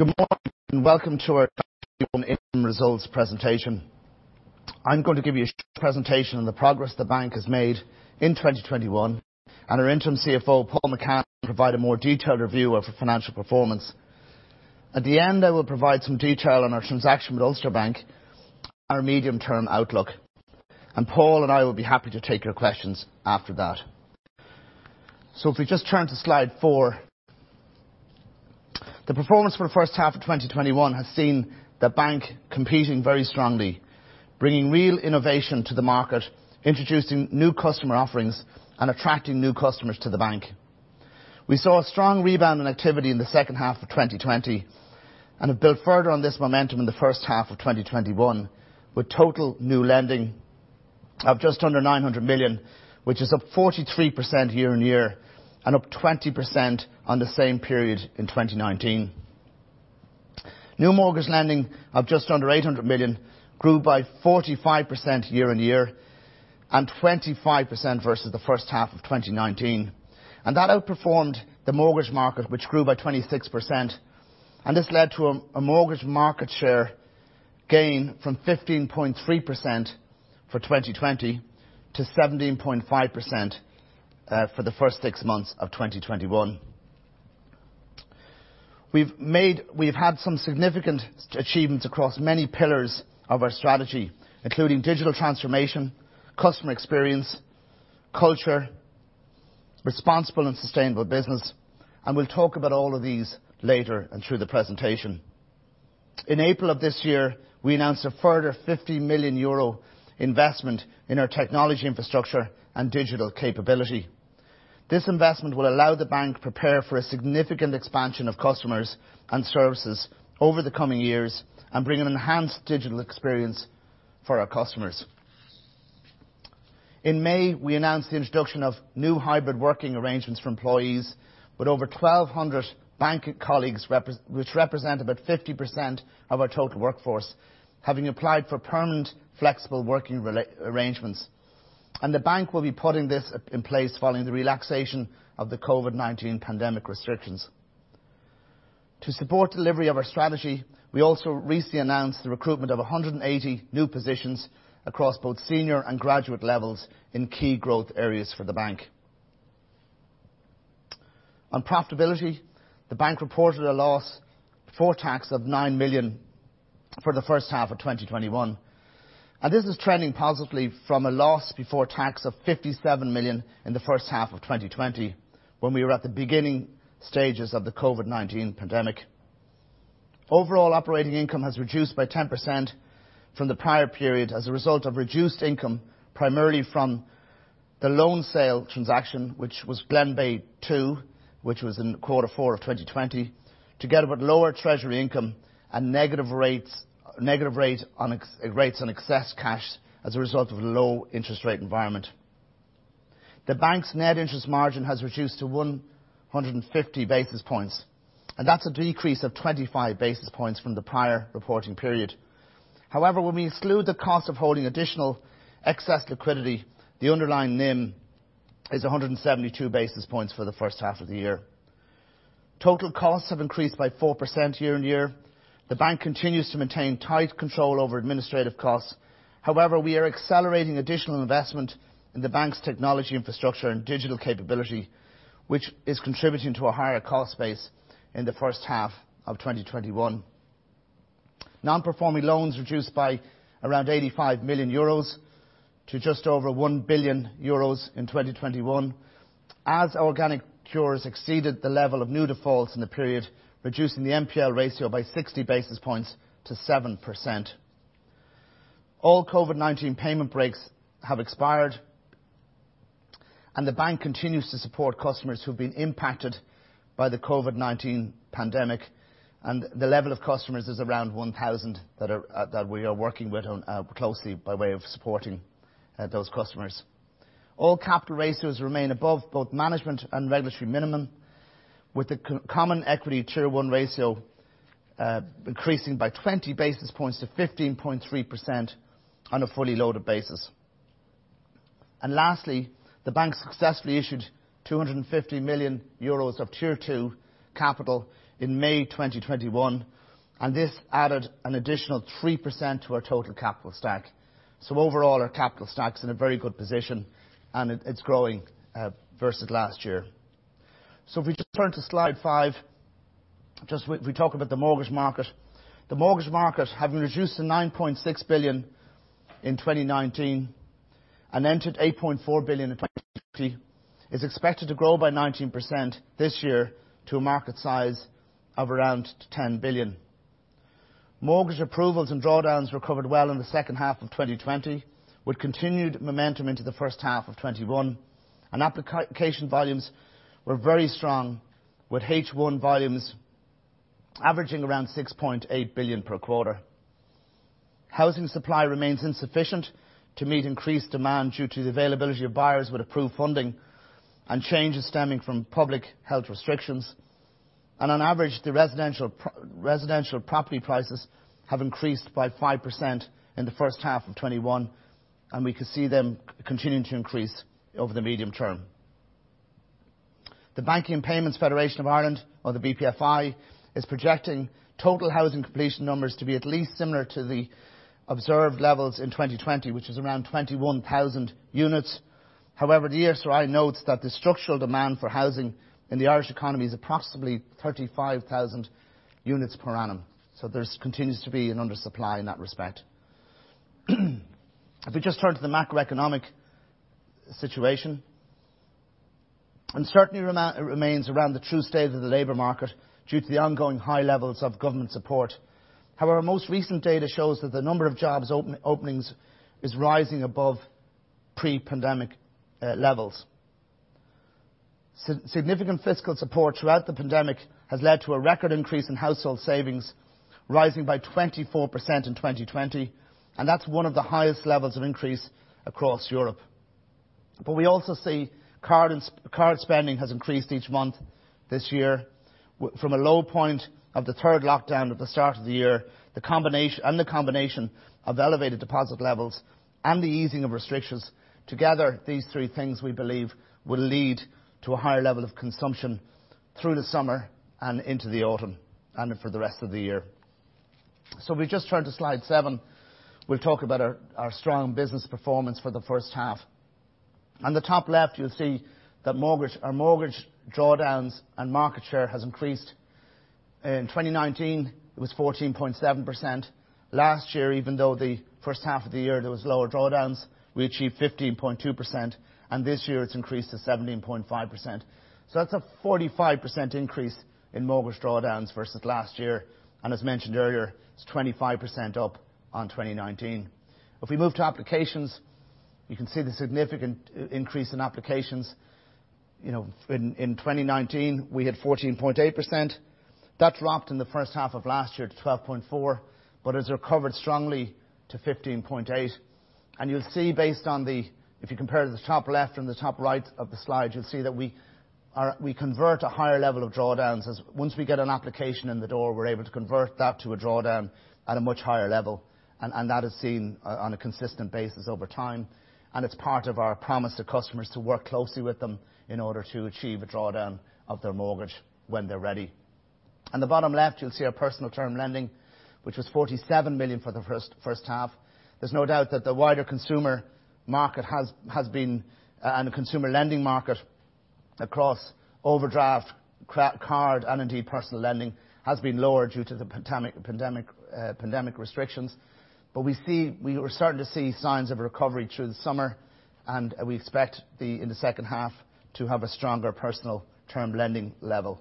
Good morning, and welcome to our 2021 interim results presentation. I'm going to give you a short presentation on the progress the bank has made in 2021. Our Interim CFO, Paul McCann, will provide a more detailed review of our financial performance. At the end, I will provide some detail on our transaction with Ulster Bank, our medium-term outlook. Paul and I will be happy to take your questions after that. If we just turn to slide four, the performance for the first half of 2021 has seen the bank competing very strongly, bringing real innovation to the market, introducing new customer offerings, and attracting new customers to the bank. We saw a strong rebound in activity in the second half of 2020, have built further on this momentum in the first half of 2021, with total new lending of just under 900 million, which is up 43% year-on-year, and up 20% on the same period in 2019. New mortgage lending of just under 800 million grew by 45% year-on-year and 25% versus the first half of 2019. That outperformed the mortgage market, which grew by 26%. This led to a mortgage market share gain from 15.3% for 2020 to 17.5% for the first six months of 2021. We've had some significant achievements across many pillars of our strategy, including digital transformation, customer experience, culture, responsible and sustainable business, and we'll talk about all of these later and through the presentation. In April of this year, we announced a further 50 million euro investment in our technology infrastructure and digital capability. This investment will allow the bank prepare for a significant expansion of customers and services over the coming years, bring an enhanced digital experience for our customers. In May, we announced the introduction of new hybrid working arrangements for employees with over 1,200 bank colleagues, which represent about 50% of our total workforce, having applied for permanent flexible working arrangements. The bank will be putting this in place following the relaxation of the COVID-19 pandemic restrictions. To support delivery of our strategy, we also recently announced the recruitment of 180 new positions across both senior and graduate levels in key growth areas for the bank. On profitability, the bank reported a loss before tax of 9 million for the first half of 2021. This is trending positively from a loss before tax of 57 million in the first half of 2020, when we were at the beginning stages of the COVID-19 pandemic. Overall operating income has reduced by 10% from the prior period as a result of reduced income, primarily from the loan sale transaction, which was Glenbeigh II, which was in quarter four of 2020, together with lower treasury income and negative rates on excess cash as a result of a low interest rate environment. The bank's net interest margin has reduced to 150 basis points, and that's a decrease of 25 basis points from the prior reporting period. However, when we exclude the cost of holding additional excess liquidity, the underlying NIM is 172 basis points for the first half of the year. Total costs have increased by 4% year-on-year. The bank continues to maintain tight control over administrative costs. However, we are accelerating additional investment in the bank's technology infrastructure and digital capability, which is contributing to a higher cost base in the first half of 2021. Non-performing loans reduced by around 85 million euros to just over 1 billion euros in 2021, as organic cures exceeded the level of new defaults in the period, reducing the NPL ratio by 60 basis points to 7%. All COVID-19 payment breaks have expired, and the bank continues to support customers who've been impacted by the COVID-19 pandemic, and the level of customers is around 1,000 that we are working with closely by way of supporting those customers. All capital ratios remain above both management and regulatory minimum, with the Common Equity Tier 1 ratio increasing by 20 basis points to 15.3% on a fully loaded basis. Lastly, the bank successfully issued €250 million of Tier 2 capital in May 2021, and this added an additional 3% to our total capital stack. Overall, our capital stack's in a very good position, and it's growing versus last year. If we just turn to slide five, just we talk about the mortgage market. The mortgage market, having reduced to 9.6 billion in 2019 and entered 8.4 billion in is expected to grow by 19% this year to a market size of around 10 billion. Mortgage approvals and drawdowns recovered well in the second half of 2020, with continued momentum into the first half of 2021, and application volumes were very strong with H1 volumes averaging around 6.8 billion per quarter. Housing supply remains insufficient to meet increased demand due to the availability of buyers with approved funding and changes stemming from public health restrictions. On average, the residential property prices have increased by 5% in the first half of 2021, and we could see them continuing to increase over the medium term. The Banking & Payments Federation Ireland, or the BPFI, is projecting total housing completion numbers to be at least similar to the observed levels in 2020, which is around 21,000 units. However, the ESRI notes that the structural demand for housing in the Irish economy is approximately 35,000 units per annum. There continues to be an undersupply in that respect. If we just turn to the macroeconomic situation, uncertainty remains around the true state of the labor market due to the ongoing high levels of government support. However, most recent data shows that the number of jobs openings is rising above pre-pandemic levels. Significant fiscal support throughout the pandemic has led to a record increase in household savings, rising by 24% in 2020. That's one of the highest levels of increase across Europe. We also see card spending has increased each month this year from a low point of the third lockdown at the start of the year. The combination of elevated deposit levels and the easing of restrictions, together, these three things, we believe, will lead to a higher level of consumption through the summer and into the autumn and for the rest of the year. If we just turn to slide seven, we'll talk about our strong business performance for the first half. On the top left, you'll see that our mortgage drawdowns and market share has increased. In 2019, it was 14.7%. Last year, even though the first half of the year there was lower drawdowns, we achieved 15.2%, and this year it's increased to 17.5%. That's a 45% increase in mortgage drawdowns versus last year, and as mentioned earlier, it's 25% up on 2019. If we move to applications, you can see the significant increase in applications. In 2019, we had 14.8%. That dropped in the first half of last year to 12.4%, but has recovered strongly to 15.8%. If you compare the top left and the top right of the slide, you'll see that we convert a higher level of drawdowns. Once we get an application in the door, we're able to convert that to a drawdown at a much higher level, and that is seen on a consistent basis over time, and it's part of our promise to customers to work closely with them in order to achieve a drawdown of their mortgage when they're ready. On the bottom left, you'll see our personal term lending, which was 47 million for the first half. There's no doubt that the wider consumer market and the consumer lending market across overdraft, card, and indeed personal lending, has been lower due to the pandemic restrictions. We are starting to see signs of recovery through the summer, and we expect, in the second half, to have a stronger personal term lending level.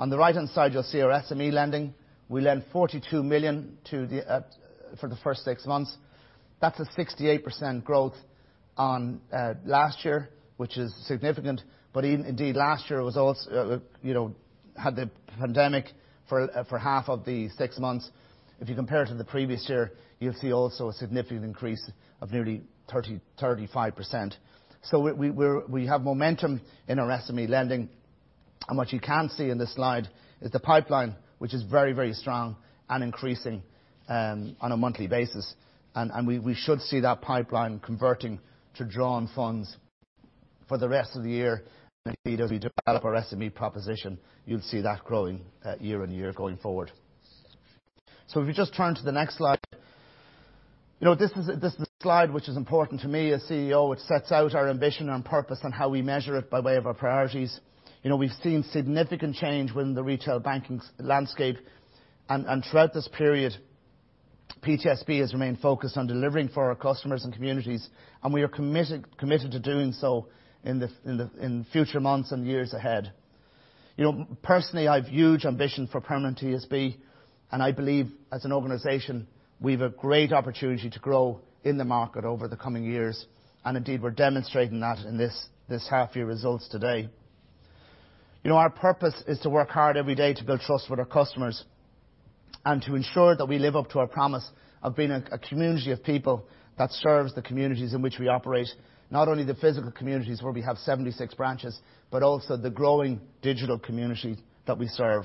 On the right-hand side, you'll see our SME lending. We lent 42 million for the first six months. That's a 68% growth on last year, which is significant. Indeed, last year had the pandemic for half of the six months. If you compare to the previous year, you'll see also a significant increase of nearly 35%. We have momentum in our SME lending, and what you can see in this slide is the pipeline, which is very, very strong and increasing on a monthly basis. We should see that pipeline converting to drawn funds for the rest of the year. Indeed, as we develop our SME proposition, you'll see that growing year-on-year going forward. If we just turn to the next slide. This is a slide which is important to me as CEO, which sets out our ambition and purpose and how we measure it by way of our priorities. We've seen significant change within the retail banking landscape. Throughout this period, PTSB has remained focused on delivering for our customers and communities, and we are committed to doing so in future months and years ahead. Personally, I've huge ambition for Permanent TSB, and I believe as an organization, we've a great opportunity to grow in the market over the coming years, and indeed, we're demonstrating that in this half year results today. Our purpose is to work hard every day to build trust with our customers and to ensure that we live up to our promise of being a community of people that serves the communities in which we operate, not only the physical communities where we have 76 branches, but also the growing digital community that we serve.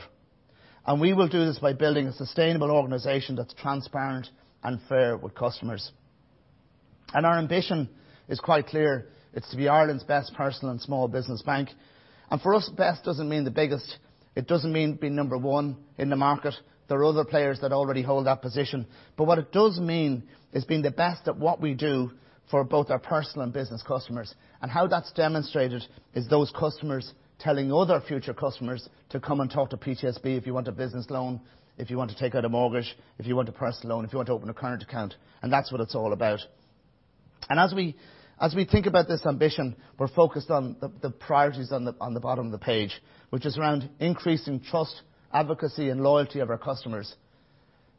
We will do this by building a sustainable organization that's transparent and fair with customers. Our ambition is quite clear. It's to be Ireland's best personal and small business bank. For us, best doesn't mean the biggest. It doesn't mean being number one in the market. There are other players that already hold that position. What it does mean is being the best at what we do for both our personal and business customers. How that's demonstrated is those customers telling other future customers to come and talk to PTSB if you want a business loan, if you want to take out a mortgage, if you want a personal loan, if you want to open a current account. That's what it's all about. As we think about this ambition, we're focused on the priorities on the bottom of the page, which is around increasing trust, advocacy, and loyalty of our customers.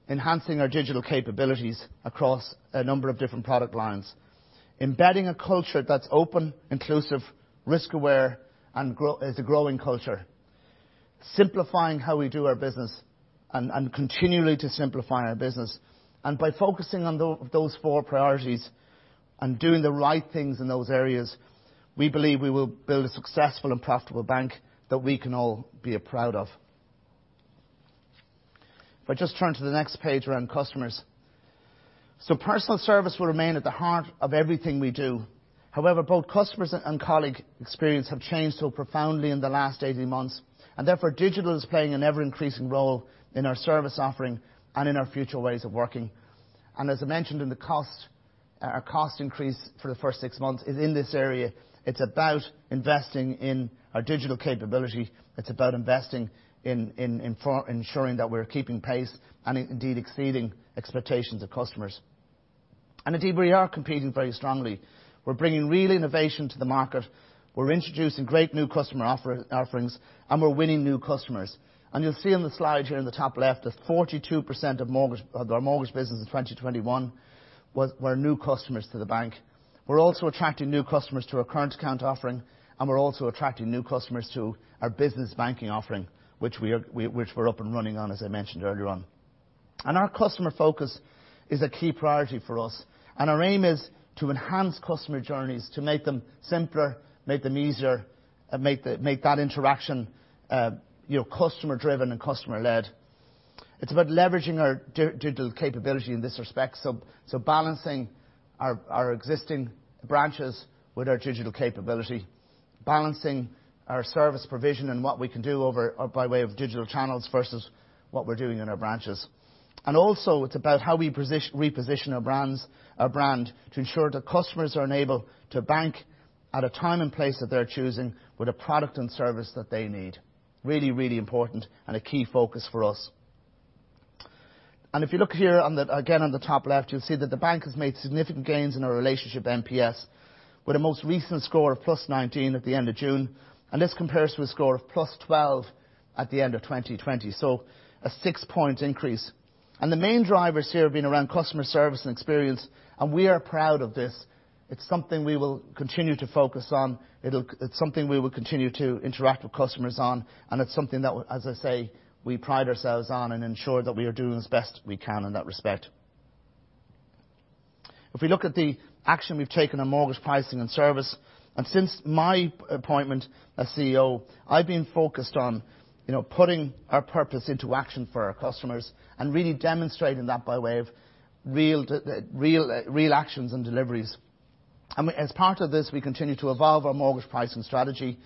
Enhancing our digital capabilities across a number of different product lines. Embedding a culture that's open, inclusive, risk-aware, and is a growing culture. Simplifying how we do our business, and continually to simplify our business. By focusing on those four priorities and doing the right things in those areas, we believe we will build a successful and profitable bank that we can all be proud of. If I just turn to the next page around customers. Personal service will remain at the heart of everything we do. However, both customers and colleague experience have changed so profoundly in the last 18 months, and therefore, digital is playing an ever-increasing role in our service offering and in our future ways of working. As I mentioned in the cost, our cost increase for the first six months is in this area. It's about investing in our digital capability. It's about investing in ensuring that we're keeping pace and indeed exceeding expectations of customers. Indeed, we are competing very strongly. We're bringing real innovation to the market. We're introducing great new customer offerings, and we're winning new customers. You'll see on the slide here in the top left that 42% of our mortgage business in 2021 were new customers to the bank. We're also attracting new customers to our current account offering, and we're also attracting new customers to our business banking offering, which we're up and running on, as I mentioned earlier on. Our customer focus is a key priority for us, and our aim is to enhance customer journeys, to make them simpler, make them easier, and make that interaction customer-driven and customer-led. It's about leveraging our digital capability in this respect. Balancing our existing branches with our digital capability, balancing our service provision and what we can do by way of digital channels versus what we're doing in our branches. Also, it's about how we reposition our brand to ensure that customers are enabled to bank at a time and place of their choosing with a product and service that they need. Really, really important and a key focus for us. If you look here, again, on the top left, you'll see that the bank has made significant gains in our relationship NPS, with a most recent score of +19 at the end of June. This compares to a score of +12 at the end of 2020. A six point increase. The main drivers here have been around customer service and experience, and we are proud of this. It's something we will continue to focus on, it's something we will continue to interact with customers on, and it's something that, as I say, we pride ourselves on and ensure that we are doing as best we can in that respect. If we look at the action we've taken on mortgage pricing and service, and since my appointment as CEO, I've been focused on putting our purpose into action for our customers and really demonstrating that by way of real actions and deliveries. As part of this, we continue to evolve our mortgage pricing strategy.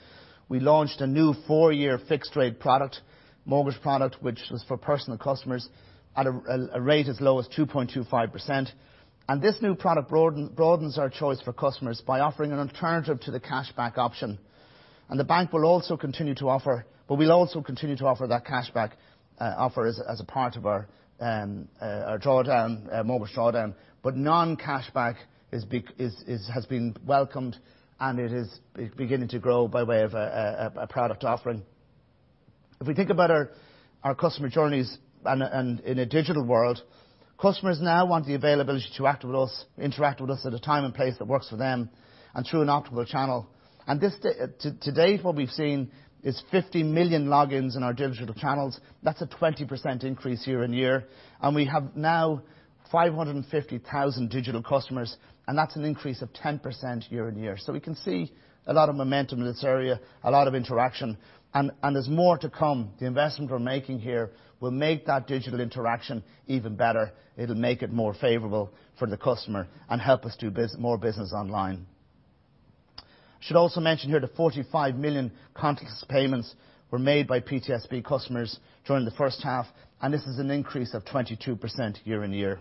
We launched a new four year fixed rate mortgage product, which was for personal customers at a rate as low as 2.25%. This new product broadens our choice for customers by offering an alternative to the cashback option. The bank will also continue to offer that cashback offer as a part of our mortgage drawdown. Non-cashback has been welcomed, and it is beginning to grow by way of a product offering. If we think about our customer journeys in a digital world, customers now want the availability to interact with us at a time and place that works for them and through an optimal channel. To date, what we've seen is 50 million logins in our digital channels. That's a 20% increase year-on-year. We have now 550,000 digital customers, and that's an increase of 10% year-on-year. We can see a lot of momentum in this area, a lot of interaction, and there's more to come. The investment we're making here will make that digital interaction even better. It'll make it more favorable for the customer and help us do more business online. Should also mention here that 45 million contactless payments were made by PTSB customers during the first half, and this is an increase of 22% year-on-year.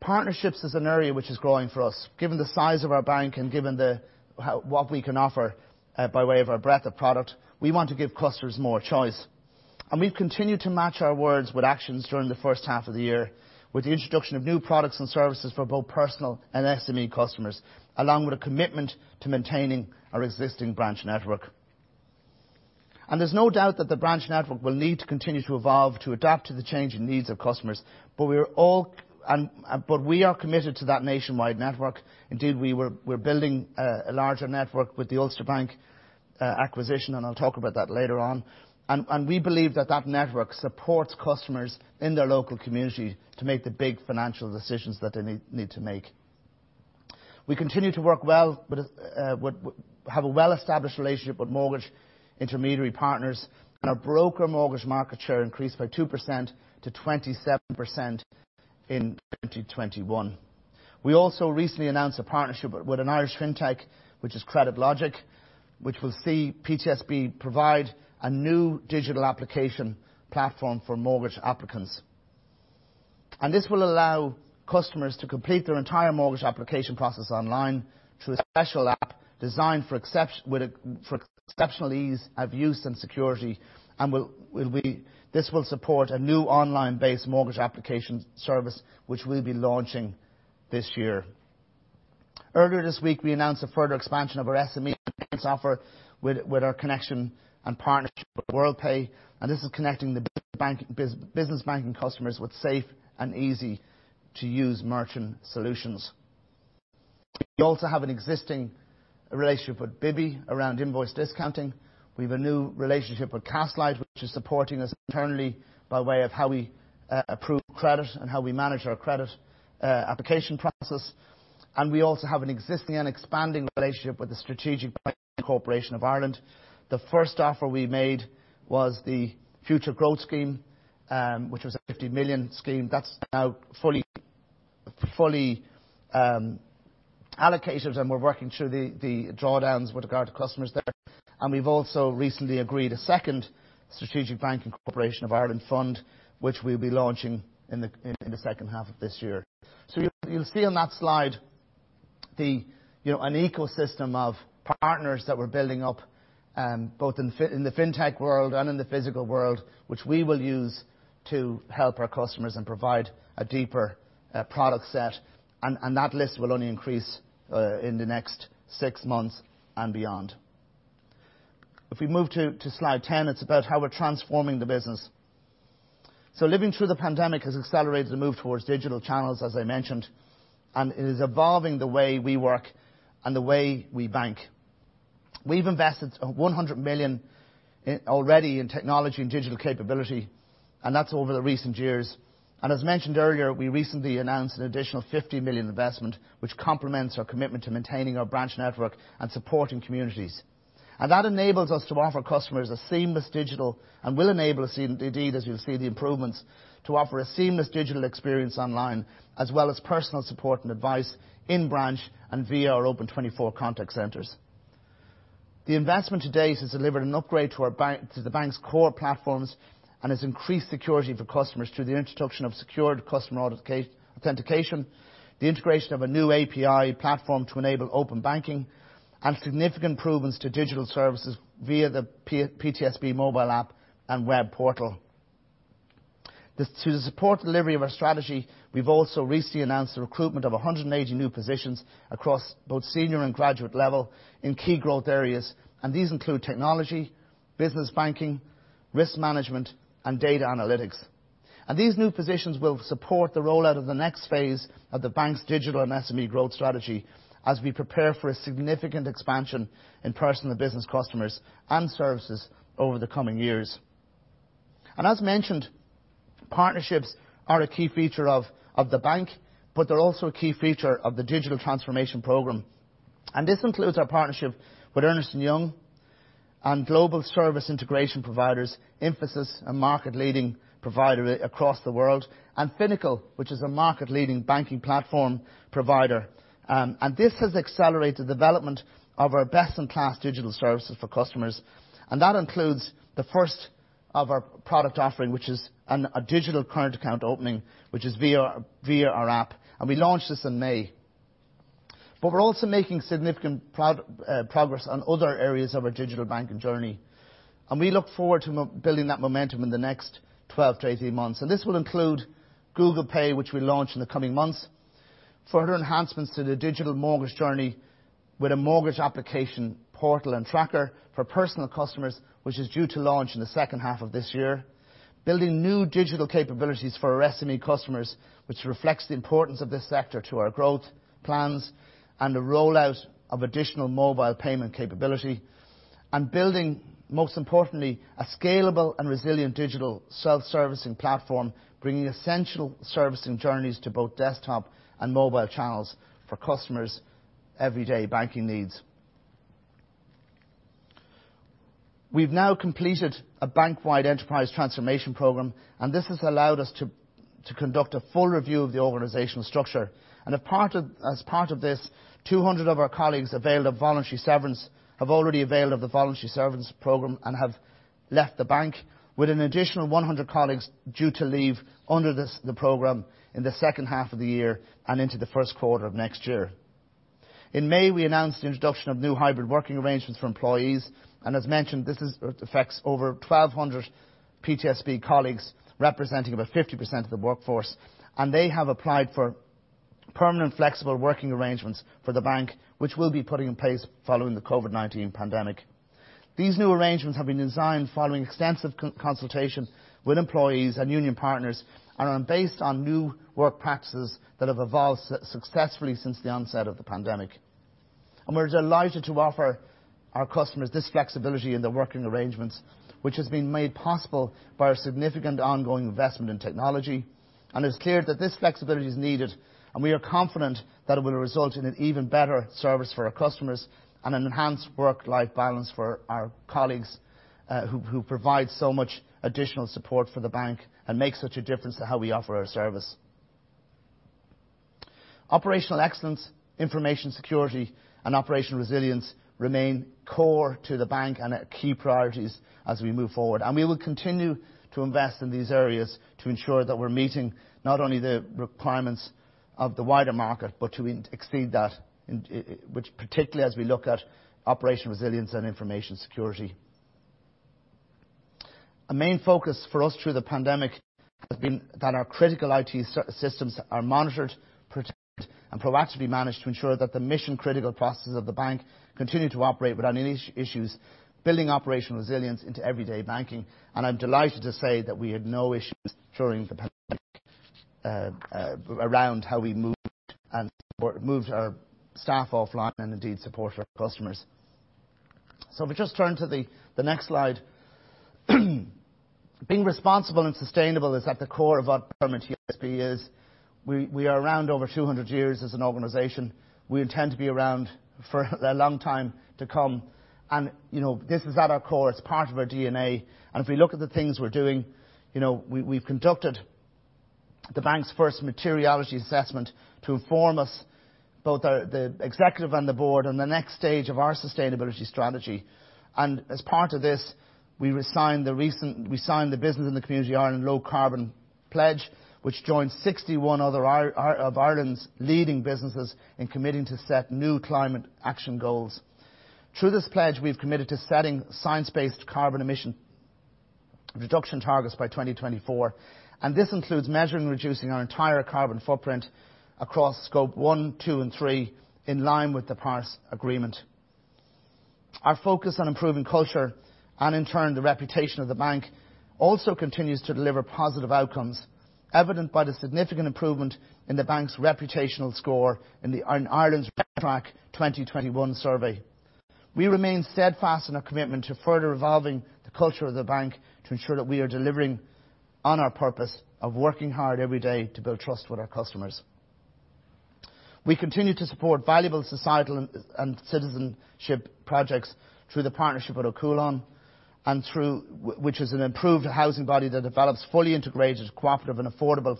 Partnerships is an area which is growing for us. Given the size of our bank and given what we can offer by way of our breadth of product, we want to give customers more choice. We've continued to match our words with actions during the first half of the year with the introduction of new products and services for both personal and SME customers, along with a commitment to maintaining our existing branch network. There's no doubt that the branch network will need to continue to evolve to adapt to the changing needs of customers. We are committed to that nationwide network. Indeed, we're building a larger network with the Ulster Bank acquisition, and I'll talk about that later on. We believe that that network supports customers in their local community to make the big financial decisions that they need to make. We continue to have a well-established relationship with mortgage intermediary partners, and our broker mortgage market share increased by 2%-27% in 2021. We also recently announced a partnership with an Irish fintech, which is CreditLogic, which will see PTSB provide a new digital application platform for mortgage applicants. This will allow customers to complete their entire mortgage application process online through a special app designed for exceptional ease of use and security. This will support a new online-based mortgage application service, which we'll be launching this year. Earlier this week, we announced a further expansion of our SME payments offer with our connection and partnership with Worldpay, and this is connecting the business banking customers with safe and easy-to-use merchant solutions. We also have an existing relationship with Bibby around invoice discounting. We've a new relationship with Castlight, which is supporting us internally by way of how we approve credit and how we manage our credit application process. We also have an existing and expanding relationship with the Strategic Banking Corporation of Ireland. The first offer we made was the Future Growth Loan Scheme, which was a 50 million scheme. That's now fully allocated, and we're working through the drawdowns with regard to customers there. We've also recently agreed a second Strategic Banking Corporation of Ireland fund, which we'll be launching in the second half of this year. You'll see on that slide an ecosystem of partners that we're building up, both in the fintech world and in the physical world, which we will use to help our customers and provide a deeper product set. That list will only increase in the next six months and beyond. If we move to slide 10, it's about how we're transforming the business. Living through the pandemic has accelerated the move towards digital channels, as I mentioned, and it is evolving the way we work and the way we bank. We've invested 100 million already in technology and digital capability, and that's over the recent years. As mentioned earlier, we recently announced an additional 50 million investment, which complements our commitment to maintaining our branch network and supporting communities. That enables us to offer customers a seamless digital, and will enable us, indeed, as you'll see the improvements, to offer a seamless digital experience online, as well as personal support and advice in branch and via our Open24 contact centers. The investment to date has delivered an upgrade to the bank's core platforms and has increased security for customers through the introduction of secured customer authentication, the integration of a new API platform to enable open banking, and significant improvements to digital services via the PTSB mobile app and web portal. To support delivery of our strategy, we've also recently announced the recruitment of 180 new positions across both senior and graduate level in key growth areas. These include technology, business banking, risk management, and data analytics. These new positions will support the rollout of the next phase of the bank's digital and SME growth strategy as we prepare for a significant expansion in personal business customers and services over the coming years. As mentioned, partnerships are a key feature of the bank, but they're also a key feature of the digital transformation program. This includes our partnership with Ernst & Young and global service integration providers, Infosys, a market-leading provider across the world, and Finacle, which is a market-leading banking platform provider. This has accelerated the development of our best-in-class digital services for customers. That includes the first of our product offering, which is a digital current account opening, which is via our app. We launched this in May. We're also making significant progress on other areas of our digital banking journey. We look forward to building that momentum in the next 12-18 months. This will include Google Pay, which we'll launch in the coming months, further enhancements to the digital mortgage journey with a mortgage application portal and tracker for personal customers, which is due to launch in the second half of this year, building new digital capabilities for our SME customers, which reflects the importance of this sector to our growth plans and the rollout of additional mobile payment capability, and building, most importantly, a scalable and resilient digital self-servicing platform, bringing essential servicing journeys to both desktop and mobile channels for customers' everyday banking needs. We've now completed a bank-wide enterprise transformation program. This has allowed us to conduct a full review of the organizational structure. As part of this, 200 of our colleagues have availed of voluntary severance, have already availed of the voluntary severance program and have left the bank, with an additional 100 colleagues due to leave under the program in the second half of the year and into the first quarter of next year. In May, we announced the introduction of new hybrid working arrangements for employees. As mentioned, this affects over 1,200 PTSB colleagues, representing about 50% of the workforce. They have applied for permanent flexible working arrangements for the bank, which we'll be putting in place following the COVID-19 pandemic. These new arrangements have been designed following extensive consultation with employees and union partners and are based on new work practices that have evolved successfully since the onset of the pandemic. We're delighted to offer our customers this flexibility in their working arrangements, which has been made possible by our significant ongoing investment in technology. It's clear that this flexibility is needed, and we are confident that it will result in an even better service for our customers and an enhanced work-life balance for our colleagues, who provide so much additional support for the bank and make such a difference to how we offer our service. Operational excellence, information security, and operational resilience remain core to the bank and are key priorities as we move forward. We will continue to invest in these areas to ensure that we're meeting not only the requirements of the wider market, but to exceed that, which particularly as we look at operational resilience and information security. A main focus for us through the pandemic has been that our critical IT systems are monitored, protected, and proactively managed to ensure that the mission-critical processes of the bank continue to operate without any issues, building operational resilience into everyday banking. I'm delighted to say that we had no issues during the pandemic around how we moved our staff offline and indeed supported our customers. If we just turn to the next slide. Being responsible and sustainable is at the core of what Permanent TSB is. We are around over 200 years as an organization. We intend to be around for a long time to come. This is at our core, it's part of our DNA. If we look at the things we're doing, we've conducted the bank's first materiality assessment to inform us, both the executive and the board, on the next stage of our sustainability strategy. As part of this, we signed the Business in the Community Ireland Low Carbon Pledge, which joined 61 other of Ireland's leading businesses in committing to set new climate action goals. Through this pledge, we've committed to setting science-based carbon emission reduction targets by 2024, and this includes measuring and reducing our entire carbon footprint across scope one, two, and three, in line with the Paris Agreement. Our focus on improving culture, and in turn, the reputation of the bank, also continues to deliver positive outcomes, evident by the significant improvement in the bank's reputational score in Ireland's RepTrak 2021 survey. We remain steadfast in our commitment to further evolving the culture of the bank to ensure that we are delivering on our purpose of working hard every day to build trust with our customers. We continue to support valuable societal and citizenship projects through the partnership with Ó Cualann, which is an Approved Housing Body that develops fully integrated cooperative and affordable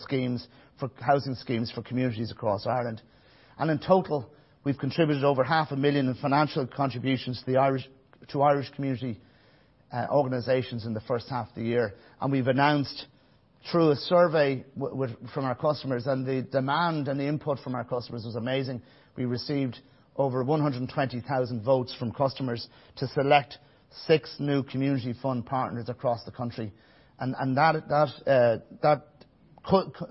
housing schemes for communities across Ireland. In total, we've contributed over 500,000 in financial contributions to Irish community organizations in the first half of the year, and we've announced through a survey from our customers, and the demand and the input from our customers was amazing. We received over 120,000 votes from customers to select six new community fund partners across the country. That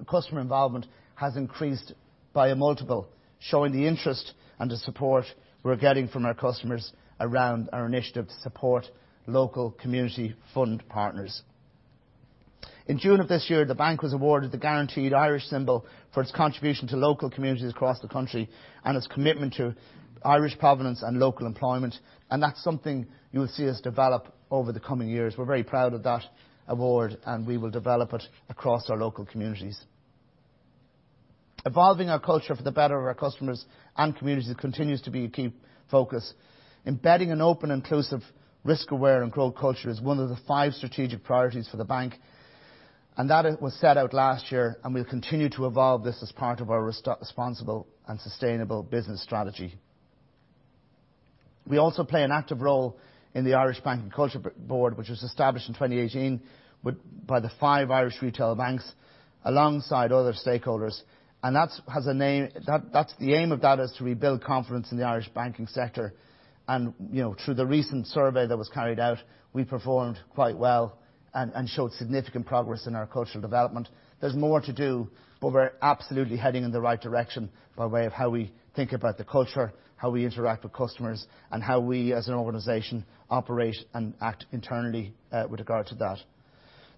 customer involvement has increased by a multiple, showing the interest and the support we're getting from our customers around our initiative to support local community fund partners. In June of this year, the bank was awarded the Guaranteed Irish symbol for its contribution to local communities across the country and its commitment to Irish provenance and local employment. That's something you will see us develop over the coming years. We're very proud of that award, and we will develop it across our local communities. Evolving our culture for the better of our customers and communities continues to be a key focus. Embedding an open, inclusive, risk-aware, and growth culture is one of the five strategic priorities for the bank. That was set out last year, and we'll continue to evolve this as part of our responsible and sustainable business strategy. We also play an active role in the Irish Banking Culture Board, which was established in 2018 by the five Irish retail banks, alongside other stakeholders. The aim of that is to rebuild confidence in the Irish banking sector. Through the recent survey that was carried out, we performed quite well and showed significant progress in our cultural development. There's more to do, but we're absolutely heading in the right direction by way of how we think about the culture, how we interact with customers, and how we as an organization operate and act internally with regard to that.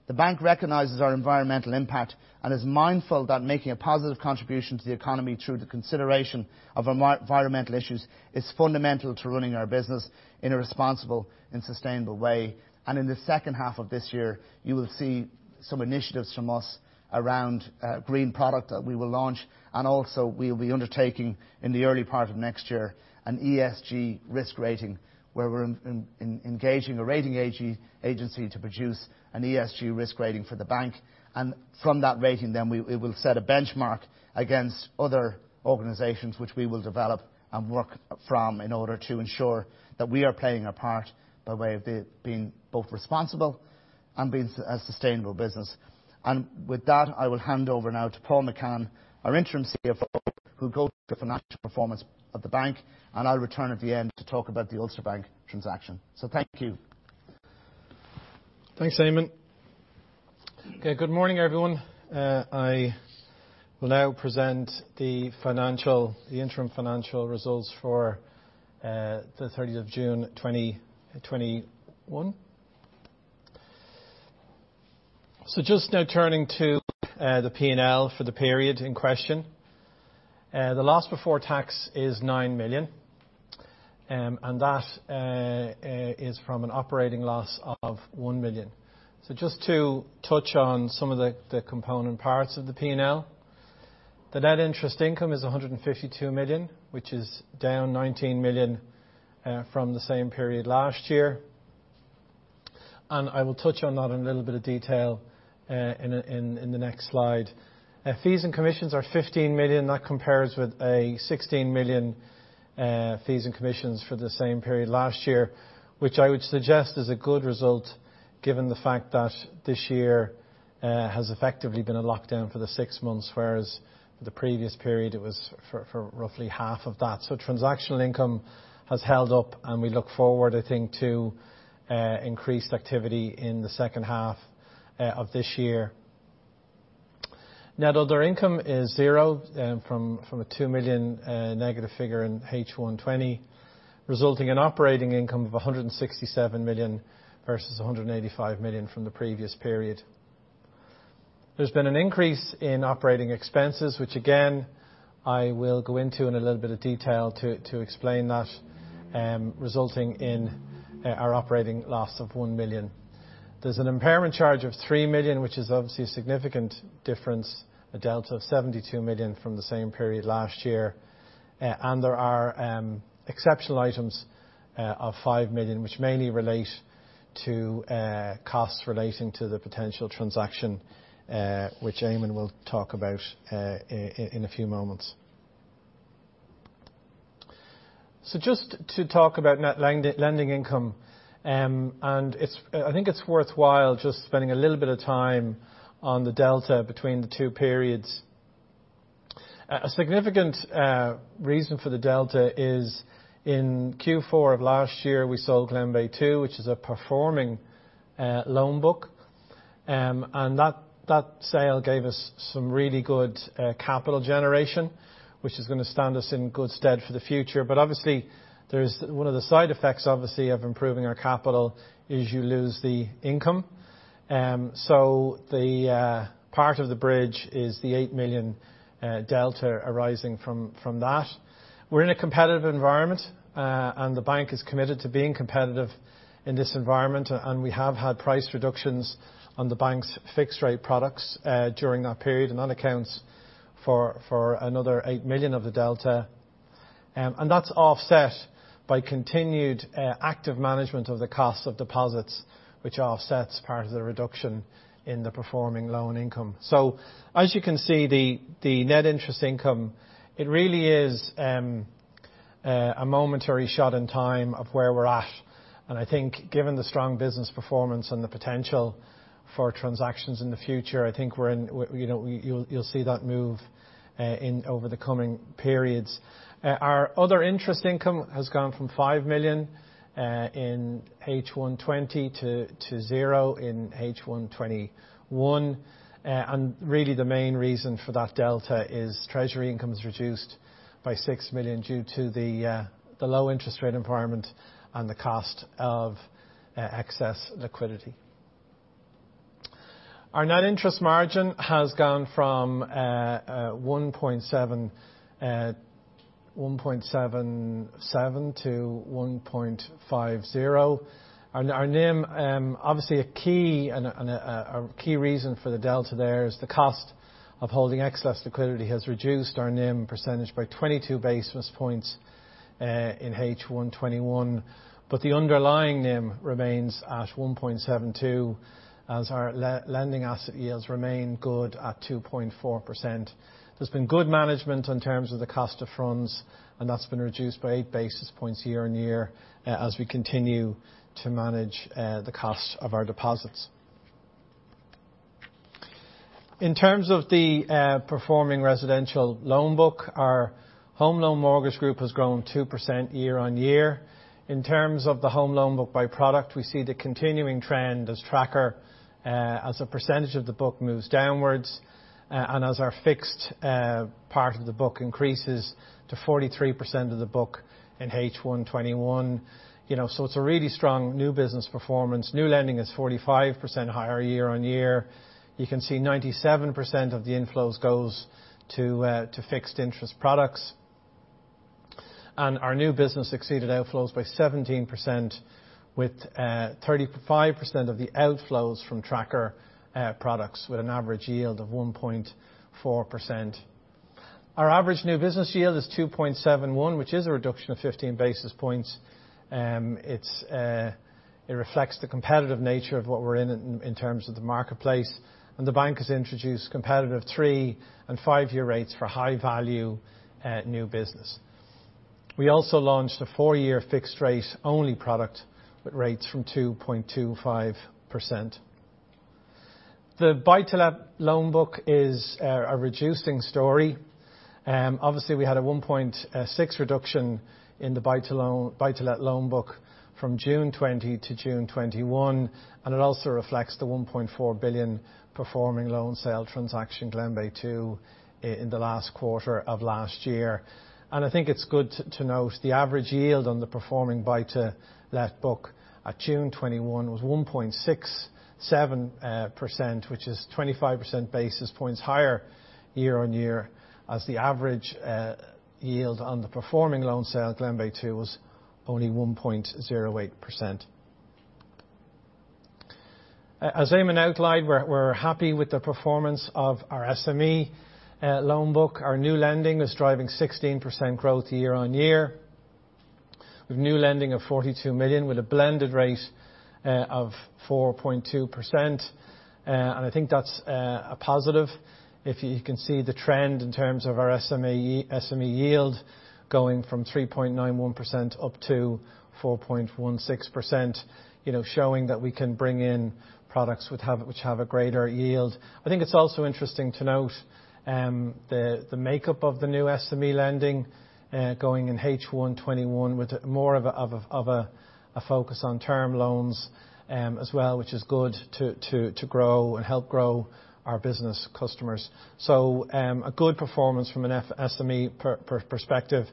The bank recognizes our environmental impact and is mindful that making a positive contribution to the economy through the consideration of environmental issues is fundamental to running our business in a responsible and sustainable way. In the second half of this year, you will see some initiatives from us around green product that we will launch. Also, we'll be undertaking, in the early part of next year, an ESG risk rating, where we're engaging a rating agency to produce an ESG risk rating for the bank. From that rating, then it will set a benchmark against other organizations which we will develop and work from in order to ensure that we are playing our part by way of being both responsible and being a sustainable business. With that, I will hand over now to Paul McCann, our interim CFO, who'll go through the financial performance of the bank, and I'll return at the end to talk about the Ulster Bank transaction. Thank you. Thanks, Eamonn. Good morning, everyone. I will now present the interim financial results for the 30th of June 2021. Just now turning to the P&L for the period in question. The loss before tax is 9 million, and that is from an operating loss of 1 million. Just to touch on some of the component parts of the P&L. The net interest income is 152 million, which is down 19 million from the same period last year, and I will touch on that in a little bit of detail in the next slide. Fees and commissions are 15 million. That compares with 16 million fees and commissions for the same period last year, which I would suggest is a good result given the fact that this year has effectively been in lockdown for the six months, whereas the previous period, it was for roughly half of that. Transactional income has held up, and we look forward, I think, to increased activity in the second half of this year. Net other income is zero, from a 2 million negative figure in H1 2020, resulting in operating income of 167 million versus 185 million from the previous period. There's been an increase in operating expenses, which again, I will go into in a little bit of detail to explain that, resulting in our operating loss of 1 million. There's an impairment charge of 3 million, which is obviously a significant difference, a delta of 72 million from the same period last year. There are exceptional items of 5 million, which mainly relate to costs relating to the potential transaction, which Eamonn will talk about in a few moments. Just to talk about net lending income, and I think it's worthwhile just spending a little bit of time on the delta between the two periods. A significant reason for the delta is in Q4 of last year, we sold Glenbeigh II, which is a performing loan book. That sale gave us some really good capital generation, which is going to stand us in good stead for the future. Obviously, one of the side effects, obviously, of improving our capital is you lose the income. The part of the bridge is the 8 million delta arising from that. We're in a competitive environment, and the bank is committed to being competitive in this environment, and we have had price reductions on the bank's fixed rate products during that period, and that accounts for another 8 million of the delta. That's offset by continued active management of the cost of deposits, which offsets part of the reduction in the performing loan income. As you can see, the net interest income, it really is a momentary shot in time of where we're at. I think given the strong business performance and the potential for transactions in the future, I think you'll see that move over the coming periods. Our other interest income has gone from 5 million in H1 2020 to zero in H1 2021. Really the main reason for that delta is treasury income is reduced by 6 million due to the low interest rate environment and the cost of excess liquidity. Our net interest margin has gone from 1.77%-1.50%. Our NIM, obviously a key reason for the delta there is the cost of holding excess liquidity has reduced our NIM percentage by 22 basis points in H1 2021, but the underlying NIM remains at 1.72%, as our lending asset yields remain good at 2.4%. There's been good management in terms of the cost of funds, that's been reduced by 8 basis points year-on-year, as we continue to manage the cost of our deposits. In terms of the performing residential loan book, our home loan mortgage book has grown 2% year-on-year. In terms of the home loan book by product, we see the continuing trend as tracker as a percentage of the book moves downwards, and as our fixed part of the book increases to 43% of the book in H1 2021. It's a really strong new business performance. New lending is 45% higher year-on-year. You can see 97% of the inflows goes to fixed interest products. Our new business exceeded outflows by 17%, with 35% of the outflows from tracker products, with an average yield of 1.4%. Our average new business yield is 2.71%, which is a reduction of 15 basis points. It reflects the competitive nature of what we're in terms of the marketplace. The bank has introduced competitive three and five-year rates for high-value new business. We also launched a four-year fixed rate only product with rates from 2.25%. The buy-to-let loan book is a reducing story. Obviously, we had a 1.6% reduction in the buy-to-let loan book from June 2020 to June 2021, and it also reflects the 1.4 billion performing loan sale transaction, Glenbeigh II, in the last quarter of last year. I think it's good to note the average yield on the performing buy-to-let book at June 2021 was 1.67%, which is 25% basis points higher year-on-year, as the average yield on the performing loan sale at Glenbeigh II was only 1.08%. As Eamonn outlined, we're happy with the performance of our SME loan book. Our new lending is driving 16% growth year-on-year. With new lending of 42 million, with a blended rate of 4.2%, and I think that's a positive. If you can see the trend in terms of our SME yield going from 3.91% up to 4.16%, showing that we can bring in products which have a greater yield. I think it's also interesting to note the makeup of the new SME lending, going in H1 2021 with more of a focus on term loans as well, which is good to grow and help grow our business customers. A good performance from an SME perspective.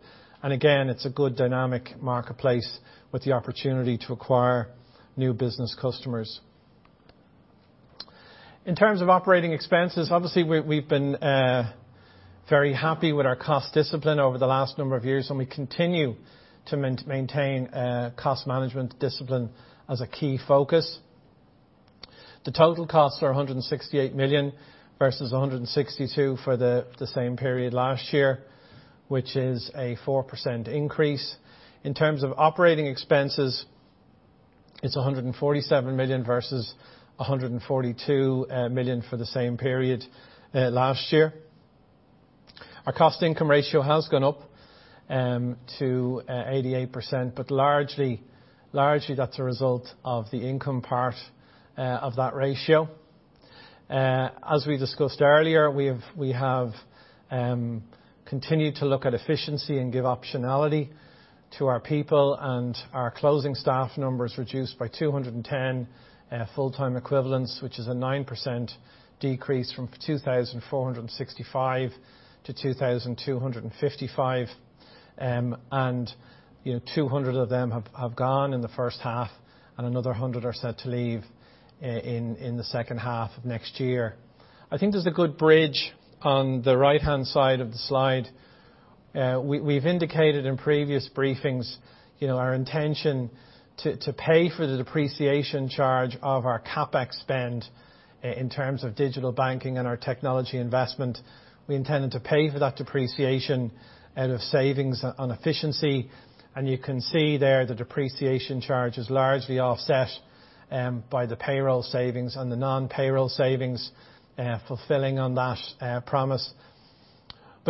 Again, it's a good dynamic marketplace with the opportunity to acquire new business customers. In terms of operating expenses, obviously we've been very happy with our cost discipline over the last number of years, and we continue to maintain cost management discipline as a key focus. The total costs are 168 million versus 162 million for the same period last year, which is a 4% increase. In terms of operating expenses, it's 147 million versus 142 million for the same period last year. Our cost income ratio has gone up to 88%, largely that's a result of the income part of that ratio. As we discussed earlier, we have continued to look at efficiency and give optionality to our people, our closing staff number is reduced by 210 full-time equivalents, which is a 9% decrease from 2,465-2,255. 200 of them have gone in the first half, and another 100 are set to leave in the second half of next year. I think there's a good bridge on the right-hand side of the slide. We've indicated in previous briefings our intention to pay for the depreciation charge of our CapEx spend in terms of digital banking and our technology investment. We intended to pay for that depreciation out of savings on efficiency, and you can see there the depreciation charge is largely offset by the payroll savings and the non-payroll savings fulfilling on that promise.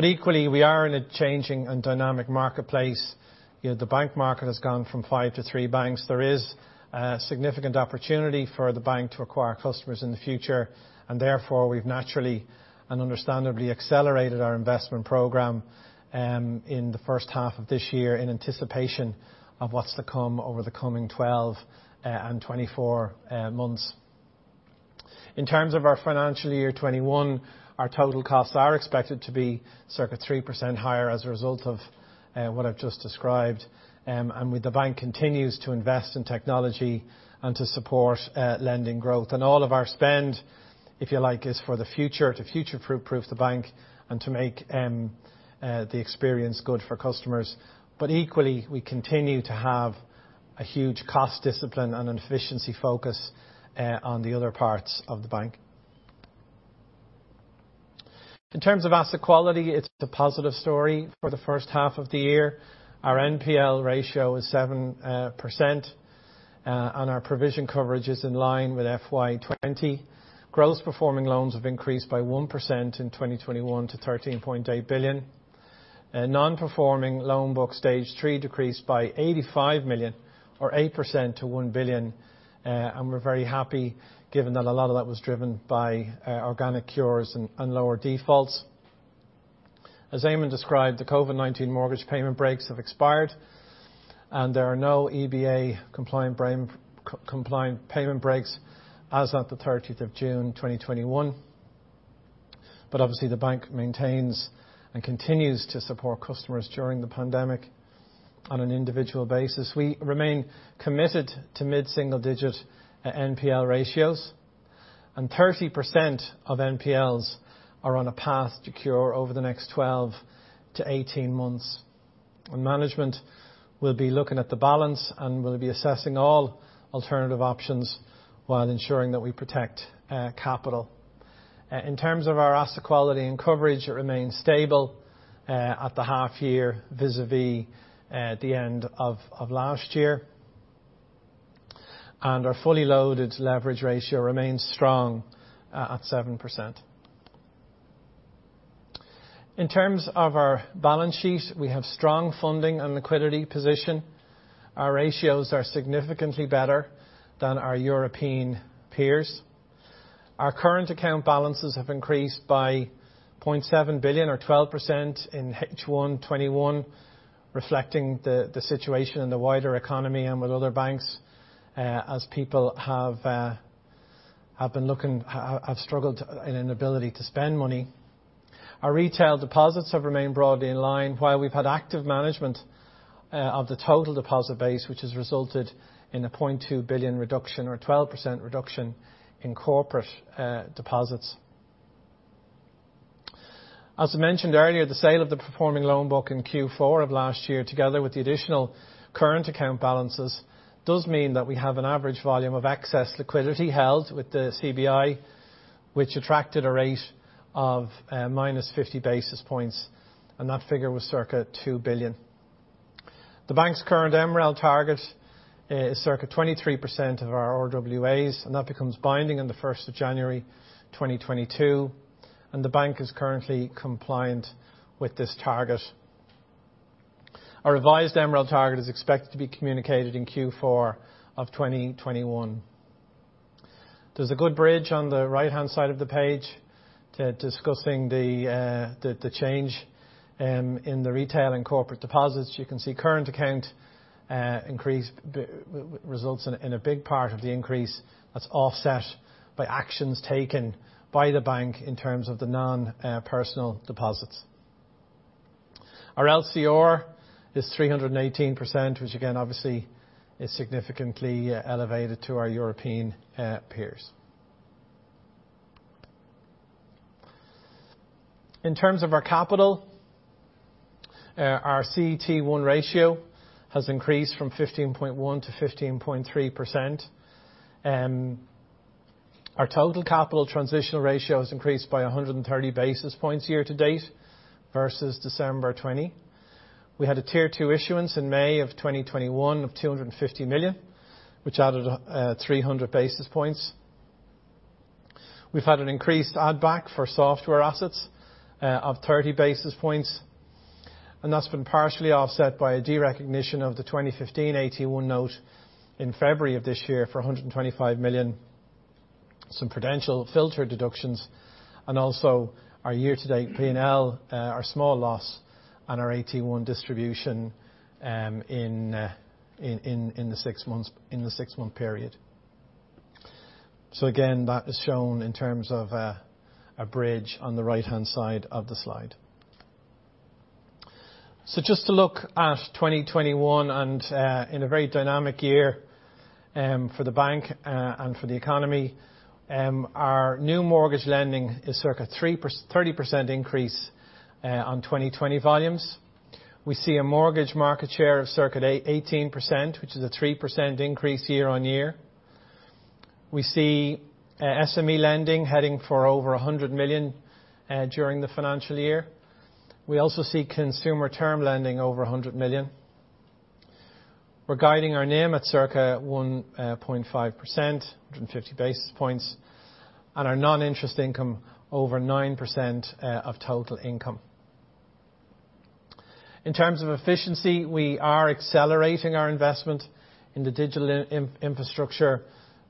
Equally, we are in a changing and dynamic marketplace. The bank market has gone from five to three banks. There is a significant opportunity for the bank to acquire customers in the future, and therefore, we've naturally and understandably accelerated our investment program in the first half of this year in anticipation of what's to come over the coming 12 and 24 months. In terms of our financial year 2021, our total costs are expected to be circa 3% higher as a result of what I've just described, and the bank continues to invest in technology and to support lending growth. All of our spend, if you like, is for the future, to future-proof the bank and to make the experience good for customers. Equally, we continue to have a huge cost discipline and an efficiency focus on the other parts of the bank. In terms of asset quality, it's a positive story for the first half of the year. Our NPL ratio is 7%, and our provision coverage is in line with FY 2020. Gross performing loans have increased by 1% in 2021 to 13.8 billion. Non-performing loan book Stage three decreased by 85 million or 8% to 1 billion, and we're very happy given that a lot of that was driven by organic cures and lower defaults. As Eamonn described, the COVID-19 mortgage payment breaks have expired, and there are no EBA-compliant payment breaks as of the 30th of June 2021. Obviously, the bank maintains and continues to support customers during the pandemic on an individual basis. We remain committed to mid-single-digit NPL ratios, and 30% of NPLs are on a path to cure over the next 12-18 months. Management will be looking at the balance and will be assessing all alternative options while ensuring that we protect capital. In terms of our asset quality and coverage, it remains stable at the half year vis-à-vis at the end of last year. Our fully loaded leverage ratio remains strong at 7%. In terms of our balance sheet, we have strong funding and liquidity position. Our ratios are significantly better than our European peers. Our current account balances have increased by 0.7 billion or 12% in H1 2021, reflecting the situation in the wider economy and with other banks as people have struggled in an inability to spend money. Our retail deposits have remained broadly in line while we've had active management of the total deposit base, which has resulted in a 0.2 billion reduction or 12% reduction in corporate deposits. As I mentioned earlier, the sale of the performing loan book in Q4 of last year, together with the additional current account balances, does mean that we have an average volume of excess liquidity held with the CBI, which attracted a rate of -50 basis points, and that figure was circa 2 billion. The bank's current MREL target is circa 23% of our RWAs, and that becomes binding on the 1st of January 2022, and the bank is currently compliant with this target. Our revised MREL target is expected to be communicated in Q4 of 2021. There's a good bridge on the right-hand side of the page discussing the change in the retail and corporate deposits. You can see current account results in a big part of the increase that's offset by actions taken by the bank in terms of the non-personal deposits. Our LCR is 318%, which again, obviously, is significantly elevated to our European peers. In terms of our capital, our CET1 ratio has increased from 15.1%-15.3%. Our total capital transitional ratio has increased by 130 basis points year-to-date versus December 2020. We had a Tier 2 issuance in May of 2021 of 250 million, which added 300 basis points. We've had an increased add-back for software assets of 30 basis points, and that's been partially offset by a derecognition of the 2015 AT1 note in February of this year for 125 million, some prudential filter deductions, and also our year-to-date P&L, our small loss on our AT1 distribution in the six-month period. Again, that is shown in terms of a bridge on the right-hand side of the slide. Just to look at 2021, and in a very dynamic year for the bank and for the economy, our new mortgage lending is circa 30% increase on 2020 volumes. We see a mortgage market share of circa 18%, which is a 3% increase year-on-year. We see SME lending heading for over 100 million during the financial year. We also see consumer term lending over 100 million. We're guiding our NIM at circa 1.5%, 150 basis points, and our non-interest income over 9% of total income. In terms of efficiency, we are accelerating our investment in the digital infrastructure,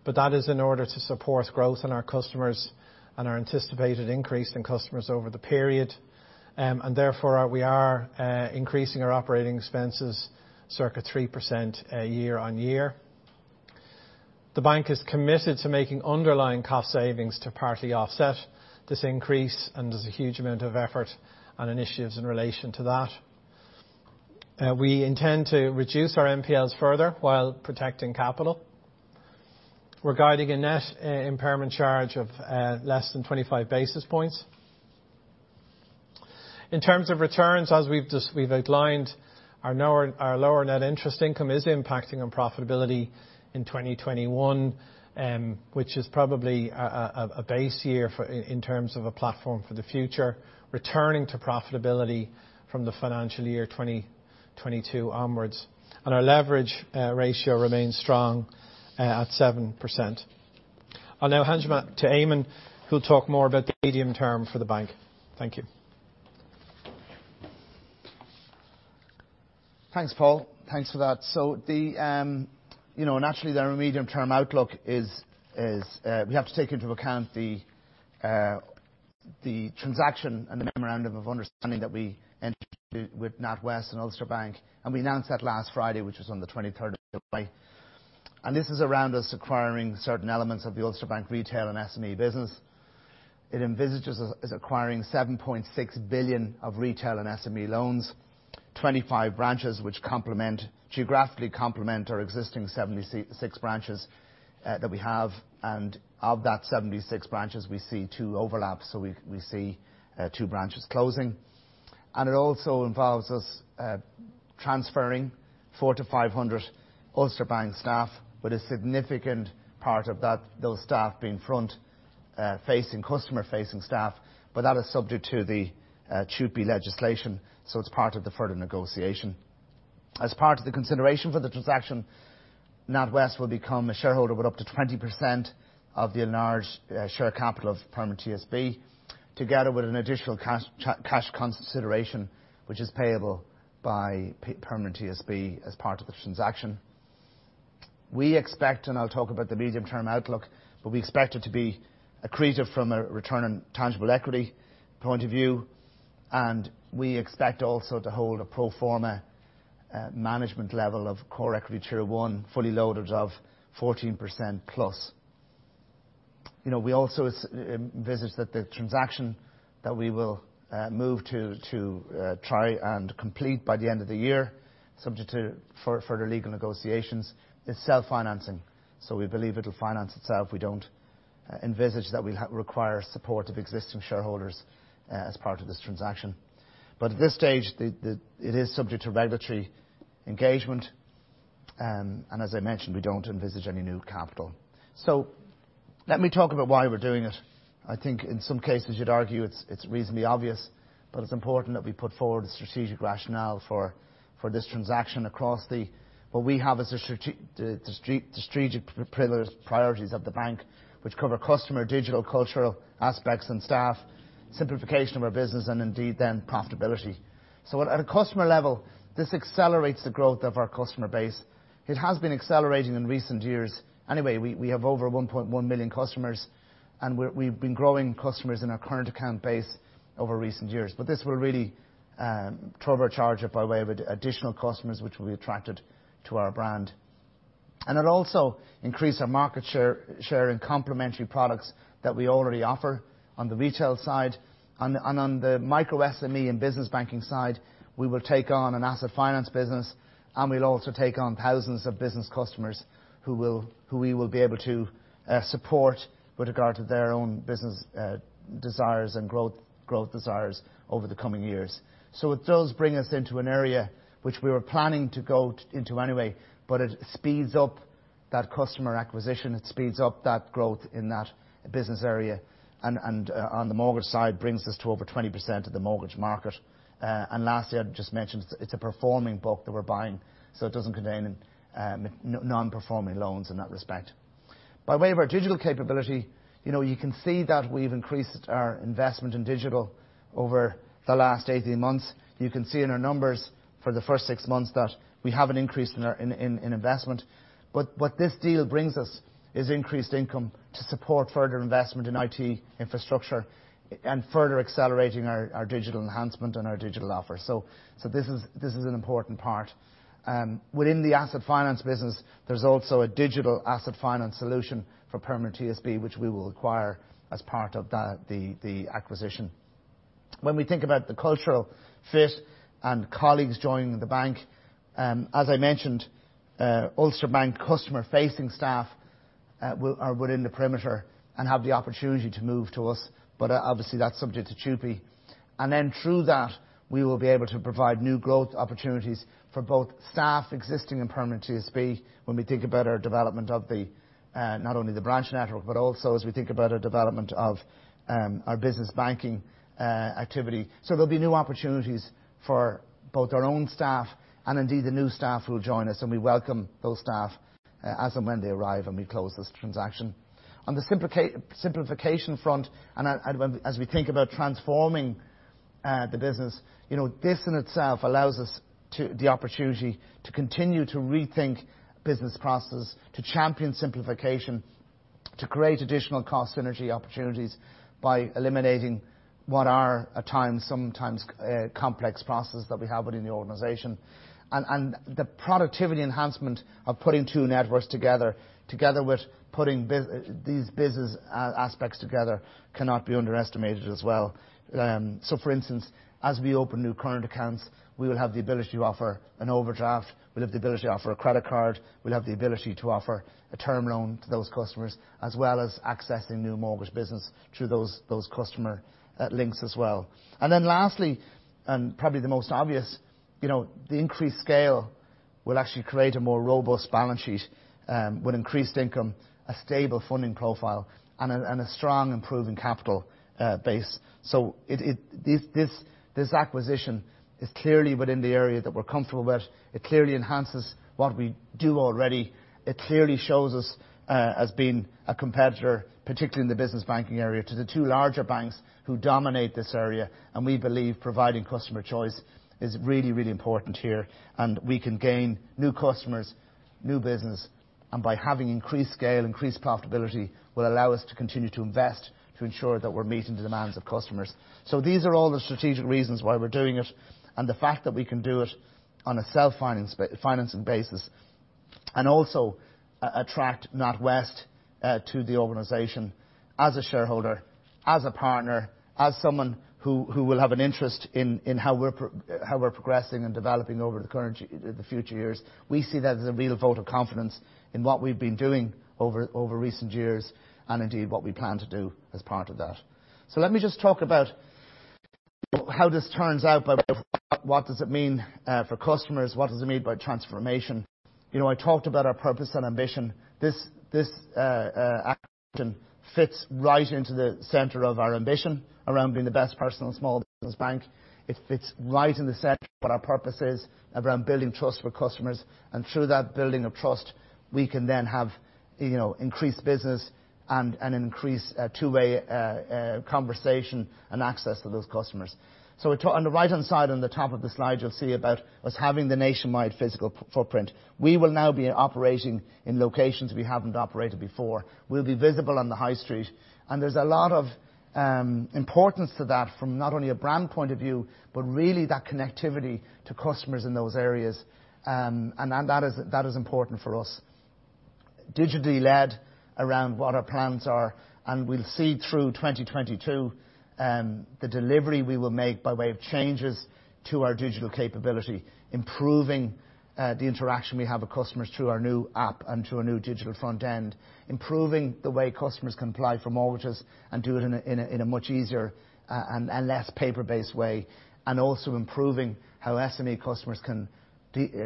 but that is in order to support growth in our customers and our anticipated increase in customers over the period. Therefore, we are increasing our operating expenses circa 3% year-on-year. The bank is committed to making underlying cost savings to partly offset this increase, and there's a huge amount of effort and initiatives in relation to that. We intend to reduce our NPLs further while protecting capital. We're guiding a net impairment charge of less than 25 basis points. In terms of returns, as we've outlined, our lower net interest income is impacting on profitability in 2021, which is probably a base year in terms of a platform for the future, returning to profitability from the financial year 2022 onwards. Our leverage ratio remains strong at 7%. I'll now hand you back to Eamonn, who'll talk more about the medium-term for the bank. Thank you. Thanks, Paul. Thanks for that. Naturally, our medium-term outlook is we have to take into account the transaction and the memorandum of understanding that we entered into with NatWest and Ulster Bank, and we announced that last Friday, which was on the 23rd of July. This is around us acquiring certain elements of the Ulster Bank retail and SME business. It envisages us acquiring 7.6 billion of retail and SME loans, 25 branches, which geographically complement our existing 76 branches that we have. Of that 76 branches, we see two overlaps, so we see two branches closing. It also involves us transferring 400-500 Ulster Bank staff, with a significant part of those staff being front-facing, customer-facing staff, but that is subject to the TUPE legislation, so it's part of the further negotiation. As part of the consideration for the transaction, NatWest will become a shareholder with up to 20% of the enlarged share capital of Permanent TSB, together with an additional cash consideration, which is payable by Permanent TSB as part of the transaction. We expect, and I'll talk about the medium-term outlook, but we expect it to be accretive from a return on tangible equity point of view, and we expect also to hold a pro forma management level of core equity Tier 1, fully loaded, of 14%-plus. We also envisage that the transaction that we will move to try and complete by the end of the year, subject to further legal negotiations, is self-financing. We believe it'll finance itself. We don't envisage that we'll require support of existing shareholders as part of this transaction. At this stage, it is subject to regulatory engagement, and as I mentioned, we don't envisage any new capital. Let me talk about why we're doing it. I think in some cases you'd argue it's reasonably obvious, but it's important that we put forward a strategic rationale for this transaction across what we have as the strategic priorities of the bank, which cover customer, digital, cultural aspects and staff, simplification of our business, and indeed then profitability. At a customer level, this accelerates the growth of our customer base. It has been accelerating in recent years anyway. We have over 1.1 million customers, and we've been growing customers in our current account base over recent years. This will really turbocharge it by way of additional customers, which will be attracted to our brand. It also increased our market share in complementary products that we already offer on the retail side. On the micro SME and business banking side, we will take on an asset finance business, and we'll also take on thousands of business customers who we will be able to support with regard to their own business desires and growth desires over the coming years. It does bring us into an area which we were planning to go into anyway, but it speeds up that customer acquisition. It speeds up that growth in that business area, and on the mortgage side, brings us to over 20% of the mortgage market. Lastly, I'd just mention, it's a performing book that we're buying, so it doesn't contain any non-performing loans in that respect. By way of our digital capability, you can see that we've increased our investment in digital over the last 18 months. You can see in our numbers for the first six months that we have an increase in investment. What this deal brings us is increased income to support further investment in IT infrastructure and further accelerating our digital enhancement and our digital offer. This is an important part. Within the asset finance business, there's also a digital asset finance solution for Permanent TSB, which we will acquire as part of the acquisition. When we think about the cultural fit and colleagues joining the bank, as I mentioned, Ulster Bank customer-facing staff are within the perimeter and have the opportunity to move to us. Obviously, that's subject to TUPE. Through that, we will be able to provide new growth opportunities for both staff existing in Permanent TSB, when we think about our development of not only the branch network, but also as we think about our development of our business banking activity. There'll be new opportunities for both our own staff and indeed the new staff who will join us, and we welcome those staff as and when they arrive, and we close this transaction. On the simplification front, and as we think about transforming the business, this in itself allows us the opportunity to continue to rethink business processes, to champion simplification, to create additional cost synergy opportunities by eliminating what are at times, sometimes complex processes that we have within the organization. The productivity enhancement of putting two networks together with putting these business aspects together cannot be underestimated as well. For instance, as we open new current accounts, we will have the ability to offer an overdraft, we'll have the ability to offer a credit card, we'll have the ability to offer a term loan to those customers, as well as accessing new mortgage business through those customer links as well. Lastly, and probably the most obvious, the increased scale will actually create a more robust balance sheet with increased income, a stable funding profile, and a strong improving capital base. This acquisition is clearly within the area that we're comfortable with. It clearly enhances what we do already. It clearly shows us as being a competitor, particularly in the business banking area, to the two larger banks who dominate this area. We believe providing customer choice is really, really important here. We can gain new customers, new business. By having increased scale, increased profitability, will allow us to continue to invest to ensure that we're meeting the demands of customers. These are all the strategic reasons why we're doing it. The fact that we can do it on a self-financing basis, also attract NatWest to the organization as a shareholder, as a partner, as someone who will have an interest in how we're progressing and developing over the future years. We see that as a real vote of confidence in what we've been doing over recent years, and indeed what we plan to do as part of that. Let me just talk about how this turns out by way of what does it mean for customers, what does it mean by transformation. I talked about our purpose and ambition. This action fits right into the center of our ambition around being the best personal and small business bank. It fits right in the center of what our purpose is around building trust for customers. Through that building of trust, we can then have increased business and an increased two-way conversation and access to those customers. On the right-hand side, on the top of the slide, you'll see about us having the nationwide physical footprint. We will now be operating in locations we haven't operated before. We'll be visible on the high street, and there's a lot of importance to that from not only a brand point of view, but really that connectivity to customers in those areas. That is important for us. Digitally led around what our plans are, and we'll see through 2022, the delivery we will make by way of changes to our digital capability, improving the interaction we have with customers through our new app and through our new digital front end, improving the way customers can apply for mortgages and do it in a much easier and less paper-based way, and also improving how SME customers can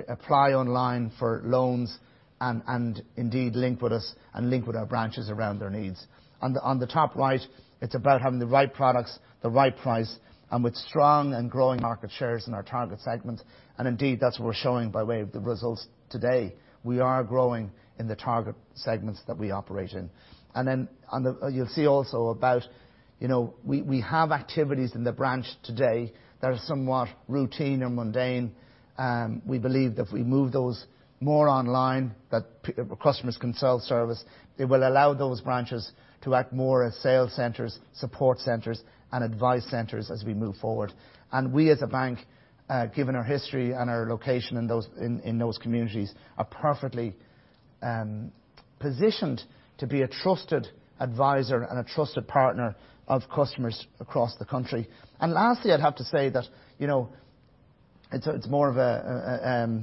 apply online for loans and indeed link with us and link with our branches around their needs. On the top right, it's about having the right products, the right price, and with strong and growing market shares in our target segments. Indeed, that's what we're showing by way of the results today. We are growing in the target segments that we operate in. You'll see we have activities in the branch today that are somewhat routine or mundane. We believe that if we move those more online, that customers can self-service. It will allow those branches to act more as sales centers, support centers, and advice centers as we move forward. We as a bank, given our history and our location in those communities, are perfectly positioned to be a trusted advisor and a trusted partner of customers across the country. Lastly, I'd have to say that it's more of a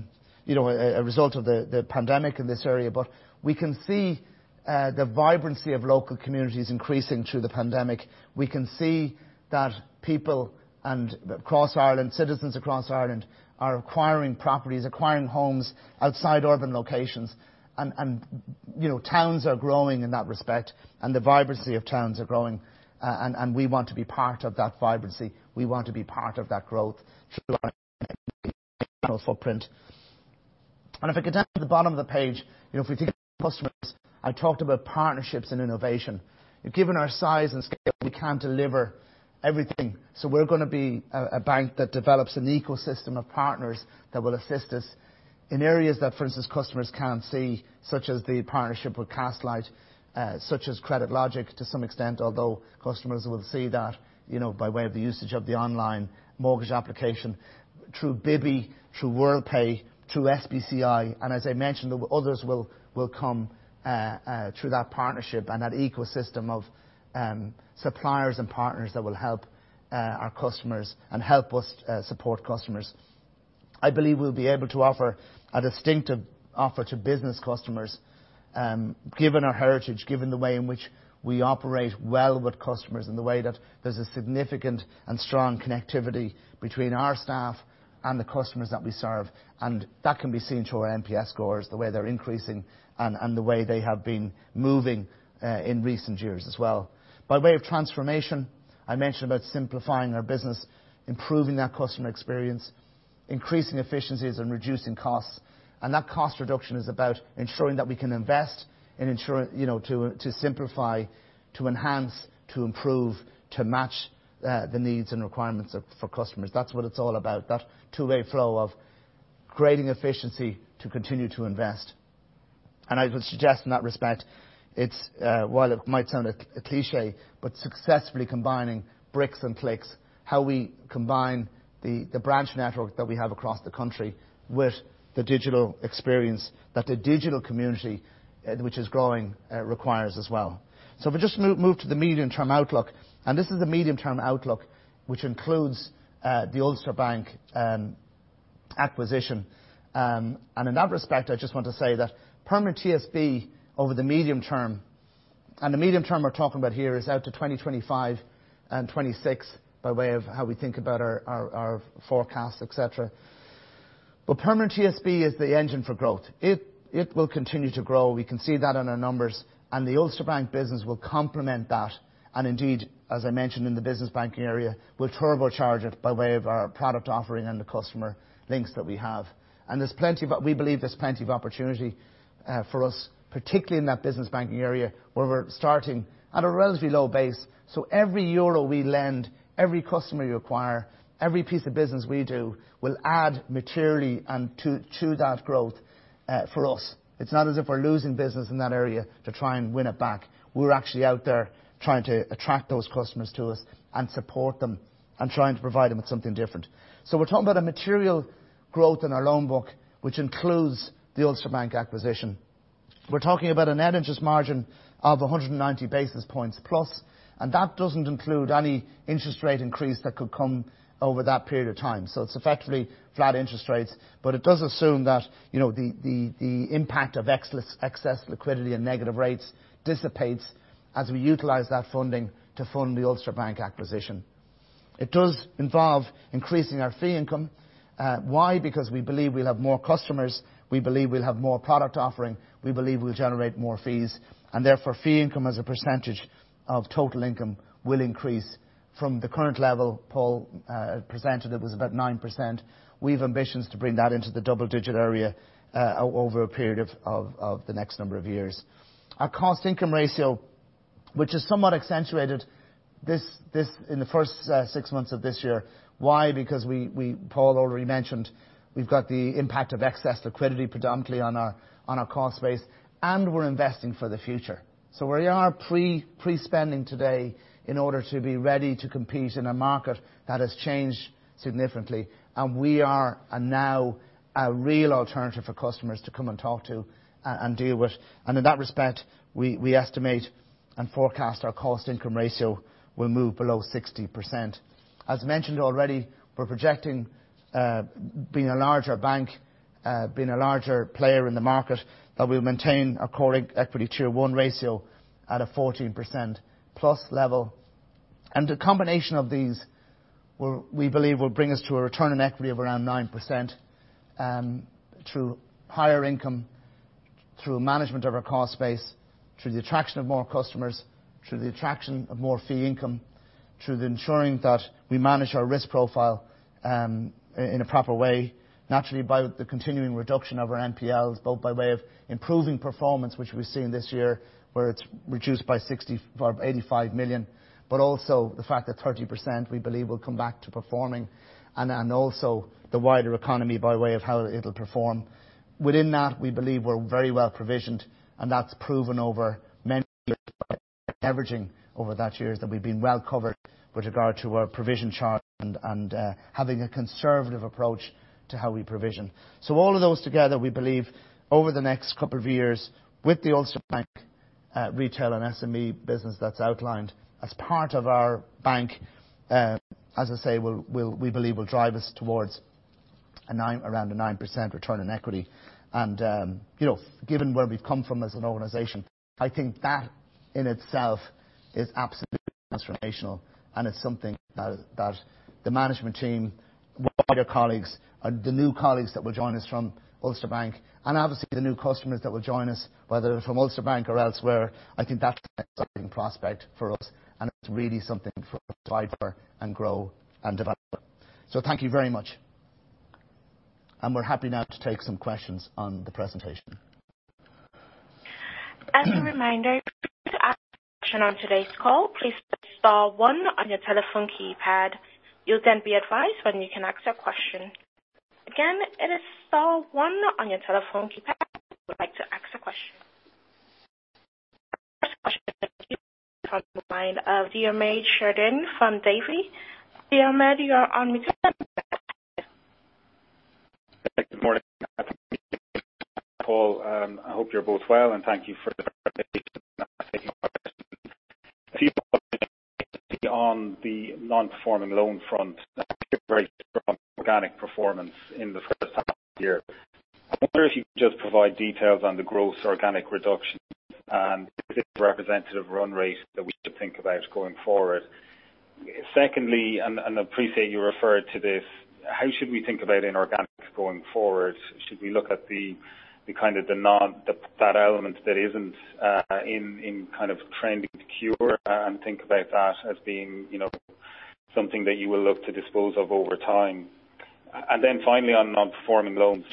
result of the pandemic in this area, but we can see the vibrancy of local communities increasing through the pandemic. We can see that people, citizens across Ireland, are acquiring properties, acquiring homes outside urban locations, and towns are growing in that respect, and the vibrancy of towns are growing. We want to be part of that vibrancy. We want to be part of that growth through our footprint. If I go down to the bottom of the page, if we think of customers, I talked about partnerships and innovation. Given our size and scale, we can't deliver everything, so we're going to be a bank that develops an ecosystem of partners that will assist us in areas that, for instance, customers can't see, such as the partnership with Castlight, such as CreditLogic to some extent, although customers will see that by way of the usage of the online mortgage application, through Bibby, through Worldpay, through SBCI, and as I mentioned, others will come through that partnership and that ecosystem of suppliers and partners that will help our customers and help us support customers. I believe we'll be able to offer a distinctive offer to business customers, given our heritage, given the way in which we operate well with customers, and the way that there's a significant and strong connectivity between our staff and the customers that we serve. That can be seen through our NPS scores, the way they're increasing, and the way they have been moving in recent years as well. By way of transformation, I mentioned about simplifying our business, improving that customer experience, increasing efficiencies, and reducing costs. That cost reduction is about ensuring that we can invest to simplify, to enhance, to improve, to match the needs and requirements for customers. That's what it's all about. That two-way flow of creating efficiency to continue to invest. I would suggest in that respect, while it might sound a cliche, successfully combining bricks and clicks, how we combine the branch network that we have across the country with the digital experience that the digital community, which is growing, requires as well. If we just move to the medium-term outlook, and this is the medium-term outlook, which includes the Ulster Bank acquisition. In that respect, I just want to say that Permanent TSB over the medium-term, and the medium-term we're talking about here is out to 2025 and 2026, by way of how we think about our forecasts, et cetera. Permanent TSB is the engine for growth. It will continue to grow. We can see that in our numbers, the Ulster Bank business will complement that, and indeed, as I mentioned in the business banking area, will turbocharge it by way of our product offering and the customer links that we have. We believe there's plenty of opportunity for us, particularly in that business banking area, where we're starting at a relatively low base. Every EUR we lend, every customer you acquire, every piece of business we do, will add materially to that growth for us. It's not as if we're losing business in that area to try and win it back. We're actually out there trying to attract those customers to us and support them and trying to provide them with something different. We're talking about a material growth in our loan book, which includes the Ulster Bank acquisition. We're talking about a net interest margin of 190 basis points plus. That doesn't include any interest rate increase that could come over that period of time. It's effectively flat interest rates, but it does assume that the impact of excess liquidity and negative rates dissipates as we utilize that funding to fund the Ulster Bank acquisition. It does involve increasing our fee income. Why? Because we believe we'll have more customers, we believe we'll have more product offering, we believe we'll generate more fees. Therefore, fee income as a percentage of total income will increase from the current level Paul presented. It was about 9%. We've ambitions to bring that into the double-digit area over a period of the next number of years. Our cost-income ratio, which is somewhat accentuated in the first six months of this year. Why? Paul already mentioned, we've got the impact of excess liquidity predominantly on our cost base, and we're investing for the future. We are pre-spending today in order to be ready to compete in a market that has changed significantly, and we are now a real alternative for customers to come and talk to and deal with. In that respect, we estimate and forecast our cost-income ratio will move below 60%. As mentioned already, we're projecting being a larger bank, being a larger player in the market, that we'll maintain our core equity Tier 1 ratio at a 14%-plus level. The combination of these, we believe, will bring us to a return on equity of around 9% through higher income, through management of our cost base, through the attraction of more customers, through the attraction of more fee income, through ensuring that we manage our risk profile in a proper way, naturally by the continuing reduction of our NPLs, both by way of improving performance, which we've seen this year, where it's reduced by 85 million, but also the fact that 30%, we believe, will come back to performing. Also the wider economy by way of how it'll perform. Within that, we believe we're very well provisioned, and that's proven over many years. We've been well covered with regard to our provision charge and having a conservative approach to how we provision. All of those together, we believe over the next couple of years with the Ulster Bank retail and SME business that's outlined as part of our bank, as I say, we believe will drive us towards around a 9% return on equity. Given where we've come from as an organization, I think that in itself is absolutely transformational, and it's something that the management team, wider colleagues and the new colleagues that will join us from Ulster Bank, and obviously the new customers that will join us, whether they're from Ulster Bank or elsewhere, I think that's an exciting prospect for us, and it's really something for us to fight for and grow and develop. Thank you very much. We're happy now to take some questions on the presentation. As a reminder, if you want to ask a question on today's call please press star one on your telephone keypad, you can be advised when you can ask your question. Again it is star one on your telephone keypad if you like to ask a question. The first question is from the line of Diarmaid Sheridan from Davy. Diarmaid, you are unmuted. Good morning. Paul, I hope you're both well, and thank you for taking my question. On the non-performing loan front, very strong organic performance in the first half of the year. I wonder if you could just provide details on the gross organic reduction, is it representative run rate that we should think about going forward? Secondly, I appreciate you referred to this, how should we think about inorganic going forward? Should we look at the kind of the bad element that isn't in kind of trending cure and think about that as being something that you will look to dispose of over time? Finally, on non-performing loans,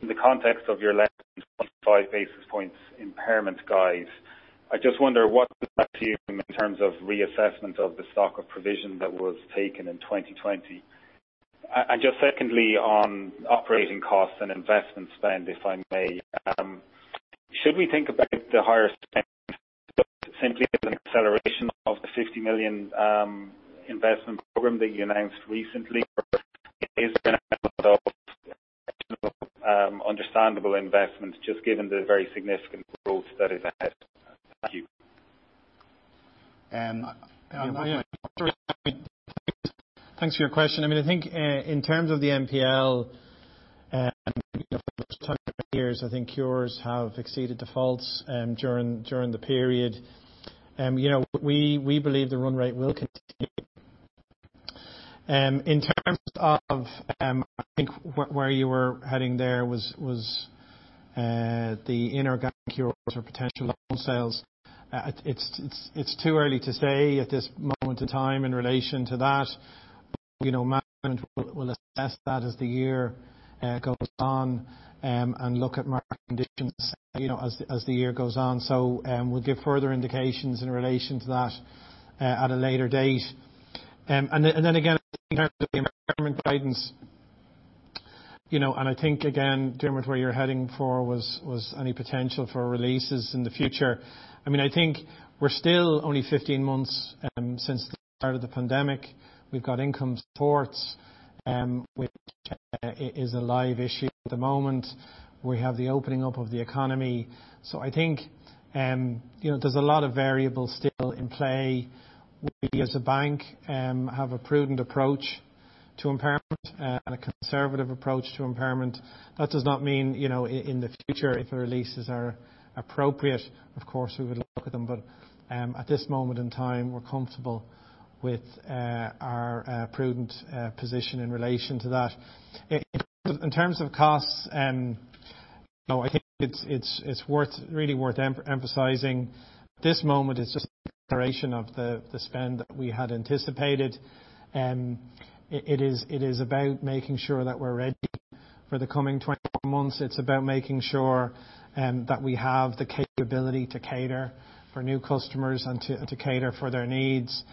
in the context of your less than 25] basis points impairment guide, I just wonder what that's doing in terms of reassessment of the stock of provision that was taken in 2020. Just secondly, on operating costs and investment spend, if I may, should we think about the higher spend simply as an acceleration of the 50 million investment program that you announced recently? Is there understandable investment just given the very significant growth that is ahead? Thank you. Thanks for your question. I think in terms of the NPL, for years, I think cures have exceeded defaults, during the period. We believe the run rate will continue. In terms of, I think where you were heading there was the inorganic cures or potential loan sales. It's too early to say at this moment in time in relation to that. Management will assess that as the year goes on, and look at market conditions as the year goes on. We'll give further indications in relation to that at a later date. Then again, in terms of the impairment guidance, I think, again, Diarmaid, where you're heading for was any potential for releases in the future. I think we're still only 15 months since the start of the pandemic. We've got income supports, which is a live issue at the moment. We have the opening up of the economy. I think, there's a lot of variables still in play. We as a bank have a prudent approach to impairment and a conservative approach to impairment. That does not mean, in the future, if the releases are appropriate, of course, we would look at them. At this moment in time, we're comfortable with our prudent position in relation to that. In terms of costs, I think it's really worth emphasizing, this moment is just the acceleration of the spend that we had anticipated. It is about making sure that we're ready for the coming 24 months. It's about making sure that we have the capability to cater for new customers and to cater for their needs.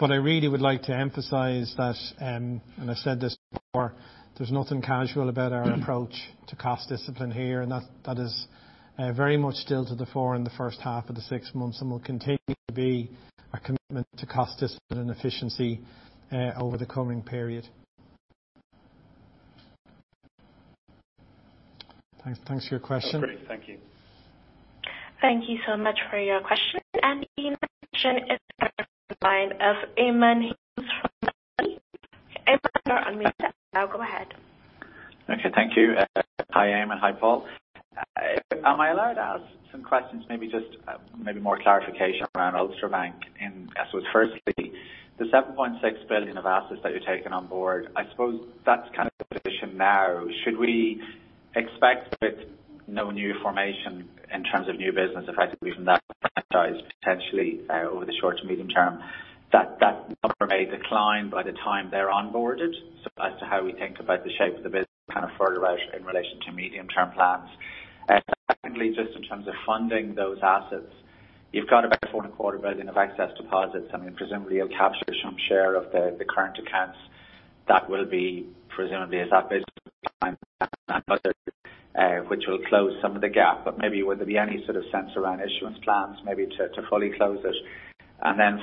I really would like to emphasize that, and I said this before, there's nothing casual about our approach to cost discipline here, and that is very much still to the fore in the first half of the six months and will continue to be our commitment to cost discipline and efficiency over the coming period. Thanks for your question. Great. Thank you. Thank you so much for your question. The next question is from the line of Eamonn Hughes from Goodbody. Eamonn, you are unmuted. Now go ahead. Okay. Thank you. Hi, Eamonn. Hi, Paul. Am I allowed to ask some questions, maybe more clarification around Ulster Bank? I suppose firstly, the 7.6 billion of assets that you're taking on board, I suppose that's kind of position now. Should we expect that no new formation in terms of new business effectively from that franchise potentially over the short to medium term, that number may decline by the time they're onboarded? As to how we think about the shape of the business kind of further out in relation to medium-term plans. Just in terms of funding those assets, you've got about 4.25 billion of excess deposits, presumably, you'll capture some share of the current accounts. That will be presumably as that business which will close some of the gap, but would there be any sort of sense around issuance plans to fully close it?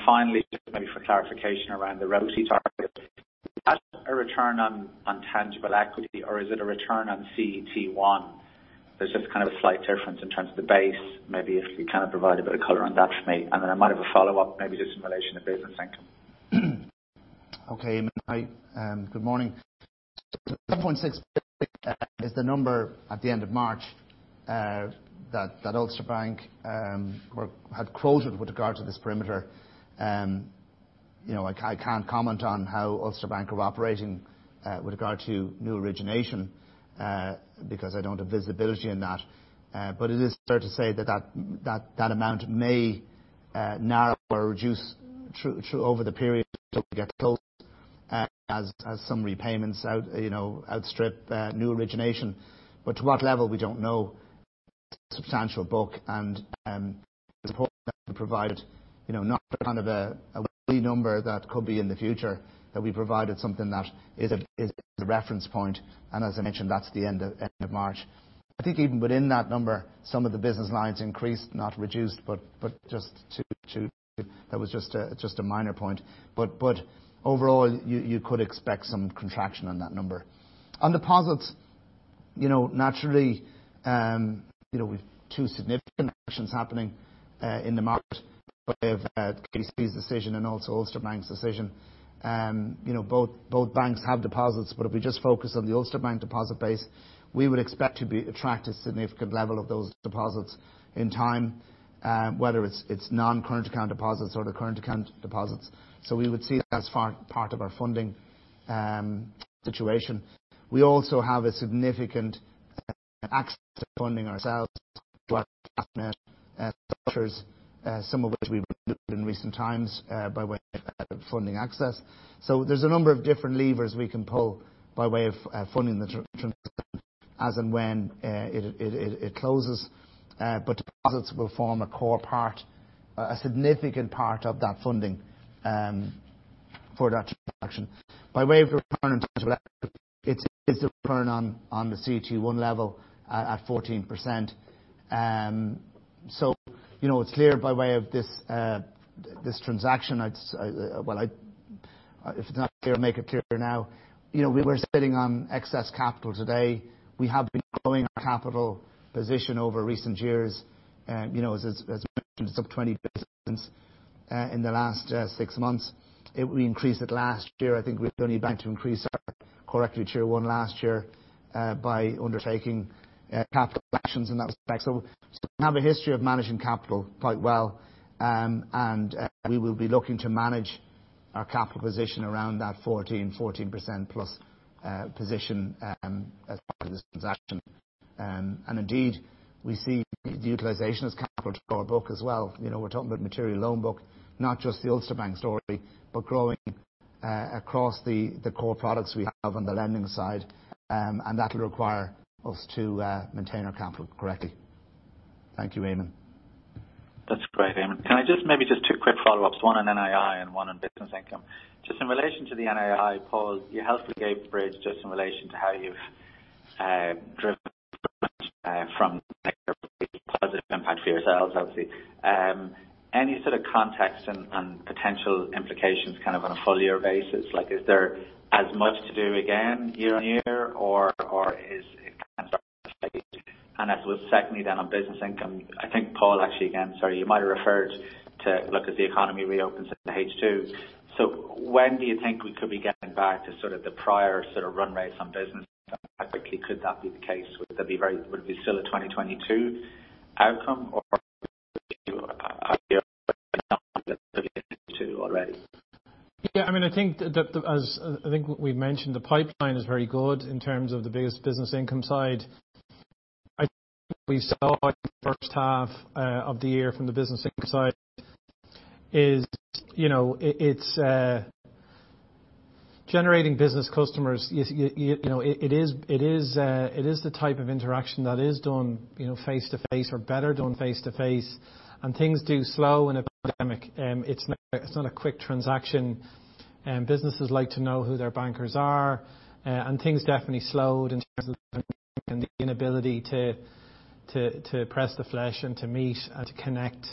Finally, just for clarification around the revenue target. Is that a return on tangible equity or is it a return on CET1? There's just kind of a slight difference in terms of the base. If you can provide a bit of color on that for me, and then I might have a follow-up just in relation to business income. Okay, Eamonn. Good morning. The 1.6 billion is the number at the end of March, that Ulster Bank had quoted with regard to this perimeter. I can't comment on how Ulster Bank are operating with regard to new origination, because I don't have visibility in that. It is fair to say that amount may narrow or reduce over the period until it gets closed, as some repayments outstrip new origination. To what level, we don't know. It's a substantial book. It's important that we provide not kind of a number that could be in the future, that we provided something that is a reference point. As I mentioned, that's the end of March. I think even within that number, some of the business lines increased, not reduced. That was just a minor point. Overall, you could expect some contraction on that number. On deposits, naturally, we've two significant actions happening in the market by way of KBC's decision and also Ulster Bank's decision. Both banks have deposits. If we just focus on the Ulster Bank deposit base, we would expect to attract a significant level of those deposits in time, whether it's non-current account deposits or the current account deposits. We would see that as part of our funding situation. We also have a significant access to funding ourselves, structures, some of which we've renewed in recent times, by way of funding access. There's a number of different levers we can pull by way of funding the transaction as and when it closes. Deposits will form a core part, a significant part of that funding for that transaction. By way of return on tangible assets, it's a return on the CET1 level at 14%. It's clear by way of this transaction, well, if it's not clear, I'll make it clear now. We're sitting on excess capital today. We have been growing our capital position over recent years. As mentioned, it's up 20 basis points in the last six months. We increased it last year. I think we were the only bank to increase our core CET1 last year, by undertaking capital actions in that respect. We have a history of managing capital quite well. We will be looking to manage our capital position around that 14%, 14%+ position as part of this transaction. Indeed, we see the utilization of capital to our book as well. We're talking about material loan book, not just the Ulster Bank story, but growing across the core products we have on the lending side. That will require us to maintain our capital correctly. Thank you, Eamonn. That's great, Eamonn. Maybe just two quick follow-ups, one on NII and one on business income. Just in relation to the NII, Paul, you helpfully gave bridge just in relation to how you've driven from positive impact for yourselves, obviously. Any sort of context and potential implications kind of on a full-year basis? Is there as much to do again year-on-year, or is it kind of? Secondly on business income, I think Paul actually, again, sorry, you might have referred to look as the economy reopens into H2. When do you think we could be getting back to sort of the prior run rates on business? How quickly could that be the case? Would it be still a 2022 outcome or already? Yeah, I think we mentioned the pipeline is very good in terms of the biggest business income side. I think we saw in the first half of the year from the business income side is, it's generating business customers. It is the type of interaction that is done face-to-face or better done face-to-face, and things do slow in a pandemic. It's not a quick transaction. Businesses like to know who their bankers are, and things definitely slowed in terms of the inability to press the flesh and to meet and to connect,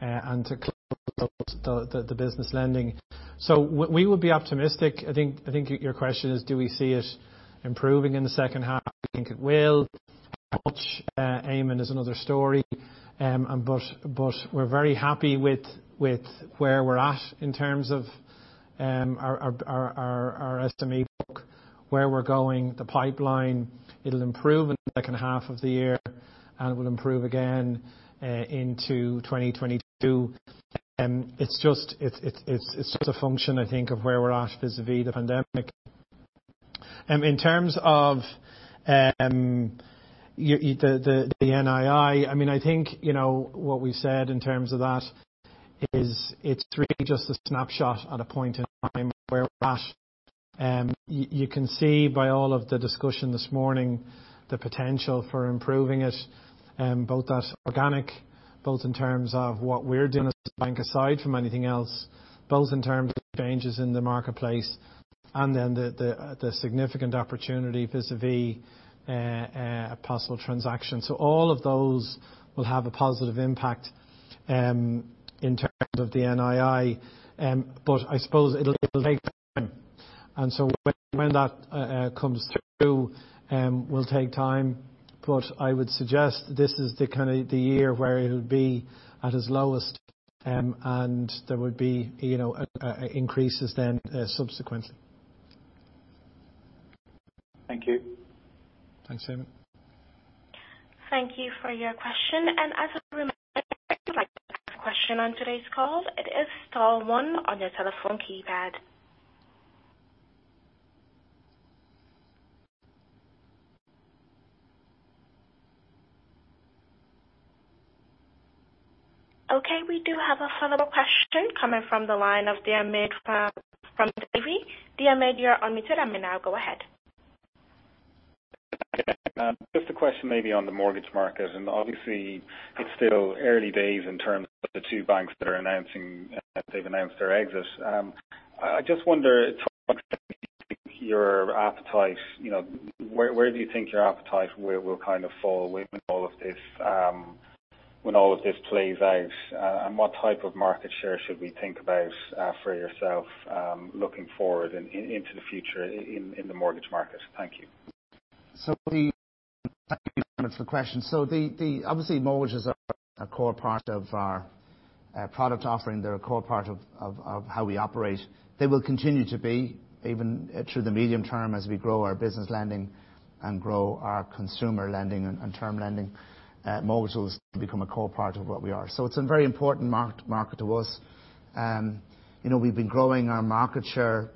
and to close the business lending. We would be optimistic. I think your question is, do we see it improving in the second half? I think it will. How much, Eamonn, is another story. We're very happy with where we're at in terms of our SME book, where we're going, the pipeline. It'll improve in the second half of the year, and it will improve again into 2022. It's just a function, I think, of where we're at vis-à-vis the pandemic. In terms of the NII, I think what we've said in terms of that is it's really just a snapshot at a point in time of where we're at. You can see by all of the discussion this morning the potential for improving it, both as organic, both in terms of what we're doing as a bank aside from anything else, both in terms of changes in the marketplace, and then the significant opportunity vis-à-vis a possible transaction. So all of those will have a positive impact in terms of the NII, but I suppose it'll take time, and so when that comes through will take time, but I would suggest this is the year where it'll be at its lowest, and there would be increases then subsequently. Thank you. Thanks, Eamonn. Thank you for your question. As a reminder, if you'd like to ask a question on today's call, it is star one on your telephone keypad. Okay, we do have a follow-up question coming from the line of Diarmaid from Davy. Diarmaid, you are unmuted. I mean, now go ahead. Just a question maybe on the mortgage market, and obviously, it's still early days in terms of the two banks that are announcing, they've announced their exit. I just wonder, [Eamonn Crowley], where do you think your appetite will fall when all of this plays out, and what type of market share should we think about for yourself, looking forward into the future in the mortgage market? Thank you. Thank you, Diarmaid, for the question. Obviously, mortgages are a core part of our product offering. They're a core part of how we operate. They will continue to be, even through the medium term, as we grow our business lending and grow our consumer lending and term lending. Mortgages will become a core part of what we are. It's a very important market to us. We've been growing our market share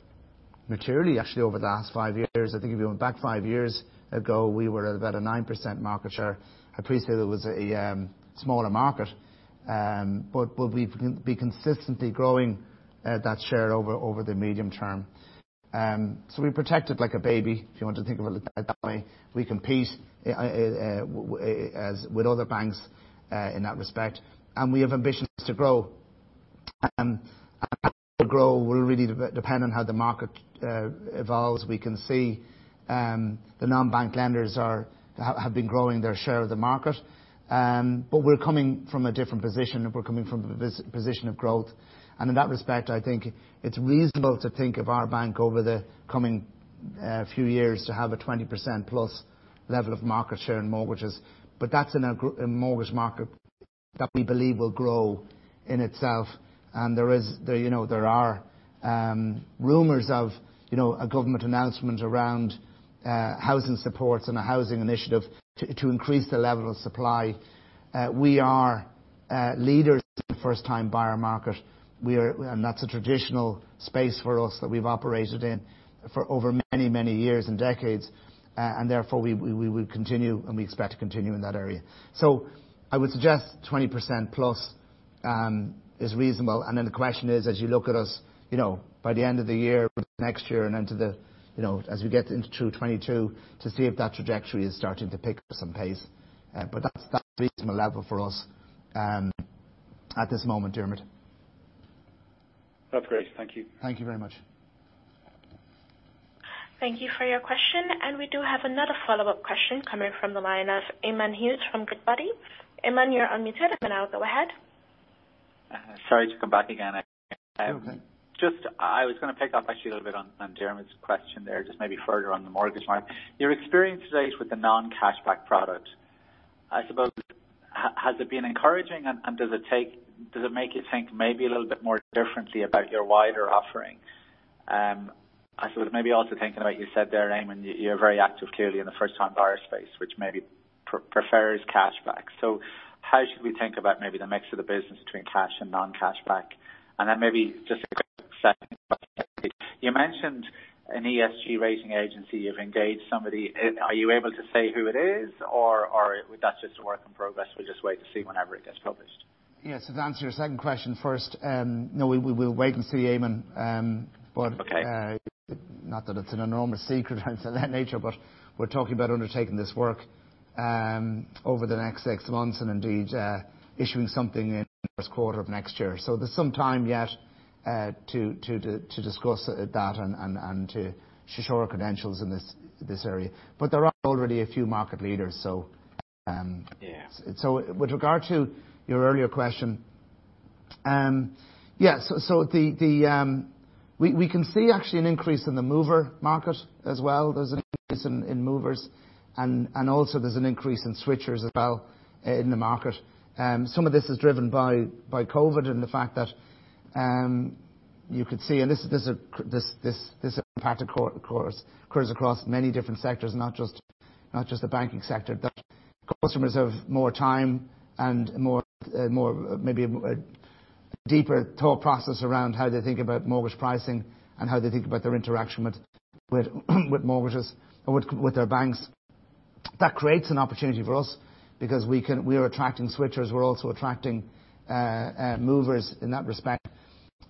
materially, actually, over the last five years. I think if you went back five years ago, we were at about a 9% market share. I appreciate it was a smaller market, but we've been consistently growing that share over the medium term. We protect it like a baby, if you want to think of it that way. We compete with other banks in that respect, and we have ambitions to grow. How we grow will really depend on how the market evolves. We can see the non-bank lenders have been growing their share of the market, but we're coming from a different position, and we're coming from a position of growth. In that respect, I think it's reasonable to think of our bank over the coming few years to have a 20%+ level of market share in mortgages. That's in a mortgage market that we believe will grow in itself, and there are rumors of a government announcement around housing supports and a housing initiative to increase the level of supply. We are leaders in the first-time buyer market. That's a traditional space for us that we've operated in for over many years and decades, and therefore, we will continue, and we expect to continue in that area. I would suggest 20%+ is reasonable, and then the question is, as you look at us, by the end of the year or the next year, as we get into true 2022, to see if that trajectory is starting to pick up some pace. That's a reasonable level for us at this moment, Diarmaid. That's great. Thank you. Thank you very much. Thank you for your question. We do have another follow-up question coming from the line of Eamonn Hughes from Goodbody. Eamonn, you're unmuted, and now go ahead. Sorry to come back again, actually. No, okay. I was going to pick up actually a little bit on Diarmaid's question there, just maybe further on the mortgage market. Your experience to date with the non-cashback product, I suppose, has it been encouraging, and does it make you think maybe a little bit more differently about your wider offering? I suppose maybe also thinking about you said there, Eamonn, you're very active, clearly, in the first-time buyer space, which maybe prefers cashback. How should we think about maybe the mix of the business between cash and non-cashback? Maybe just a quick second question. You mentioned an ESG rating agency. You've engaged somebody. Are you able to say who it is, or that's just a work in progress, we'll just wait to see whenever it gets published? Yes, to answer your second question first, no, we'll wait and see, Eamonn. Okay. Not that it's an enormous secret or anything of that nature, we're talking about undertaking this work over the next six months and indeed issuing something in the first quarter of next year. There's some time yet to discuss that and to show our credentials in this area. There are already a few market leaders. Yeah. With regard to your earlier question, yes. We can see actually an increase in the mover market as well. There's an increase in movers, and also there's an increase in switchers as well in the market. Some of this is driven by COVID and the fact that you could see, and this impact occurs across many different sectors, not just the banking sector, that customers have more time and maybe a deeper thought process around how they think about mortgage pricing and how they think about their interaction with mortgages or with their banks. That creates an opportunity for us because we are attracting switchers. We're also attracting movers in that respect.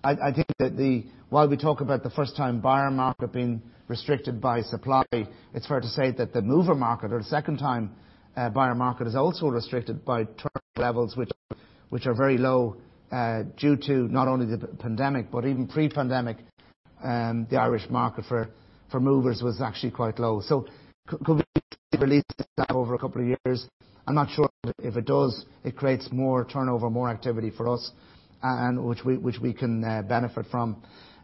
I think that while we talk about the first-time buyer market being restricted by supply, it's fair to say that the mover market or the second-time buyer market is also restricted by turnover levels, which are very low due to not only the pandemic, but even pre-pandemic, the Irish market for movers was actually quite low. Could we see releases of that over a couple of years? I'm not sure. If it does, it creates more turnover, more activity for us, which we can benefit from.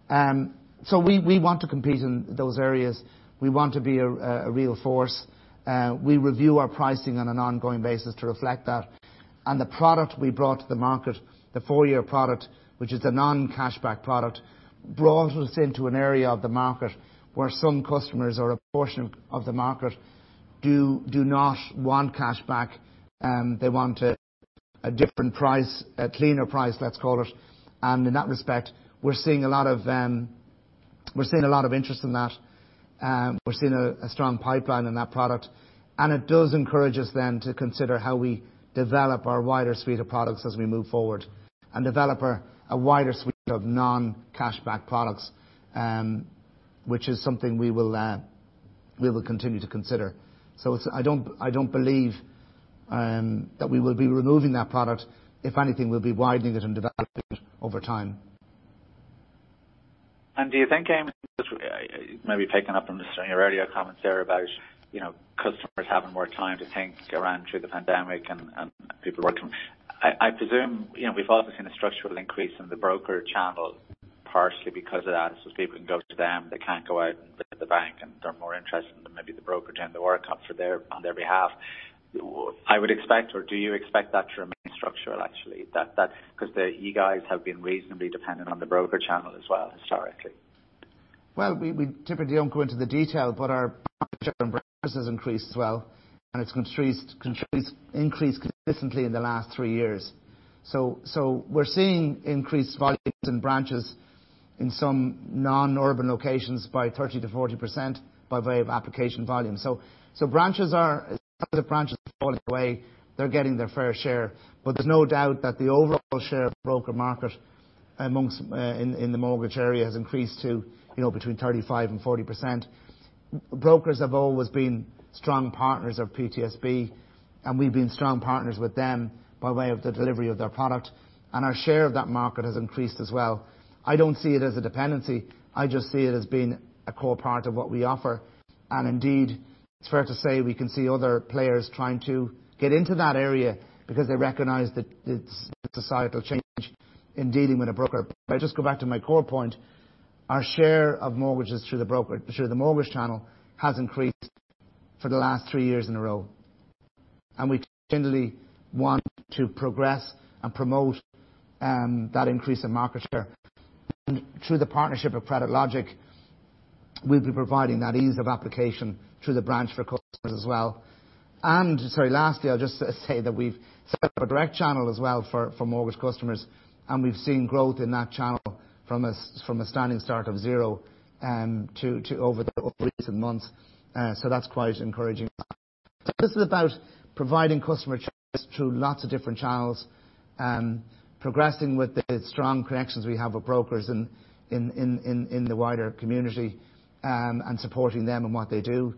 We want to compete in those areas. We want to be a real force. We review our pricing on an ongoing basis to reflect that. The product we brought to the market, the four-year product, which is the non-cashback product, brought us into an area of the market where some customers or a portion of the market do not want cashback. They want a different price, a cleaner price, let's call it. In that respect, we're seeing a lot of interest in that. We're seeing a strong pipeline in that product, and it does encourage us then to consider how we develop our wider suite of products as we move forward and develop a wider suite of non-cashback products, which is something we will continue to consider. I don't believe that we will be removing that product. If anything, we'll be widening it and developing it over time. Do you think, Eamonn, maybe picking up on your earlier comments there about customers having more time to think around through the pandemic and people working from I presume, we've also seen a structural increase in the broker channel partially because of that. People can go to them, they can't go out and visit the bank, and they're more interested in maybe the broker doing the work on their behalf. I would expect, or do you expect that to remain structural, actually? You guys have been reasonably dependent on the broker channel as well, historically. Well, we typically don't go into the detail, but our branch and brokers has increased as well, and it's increased consistently in the last three years. We're seeing increased volumes in branches in some non-urban locations by 30%-40% by way of application volume. Some of the branches are falling away. They're getting their fair share. There's no doubt that the overall share of broker market in the mortgage area has increased to between 35%-40%. Brokers have always been strong partners of PTSB, and we've been strong partners with them by way of the delivery of their product, and our share of that market has increased as well. I don't see it as a dependency. I just see it as being a core part of what we offer. Indeed, it's fair to say we can see other players trying to get into that area because they recognize that it's a societal change in dealing with a broker. If I just go back to my core point, our share of mortgages through the mortgage channel has increased for the last three years in a row, and we generally want to progress and promote that increase in market share. Through the partnership with CreditLogic, we'll be providing that ease of application through the branch for customers as well. Sorry, lastly, I'll just say that we've set up a direct channel as well for mortgage customers, and we've seen growth in that channel from a standing start of zero over the recent months. That's quite encouraging. This is about providing customer choice through lots of different channels, progressing with the strong connections we have with brokers in the wider community, and supporting them in what they do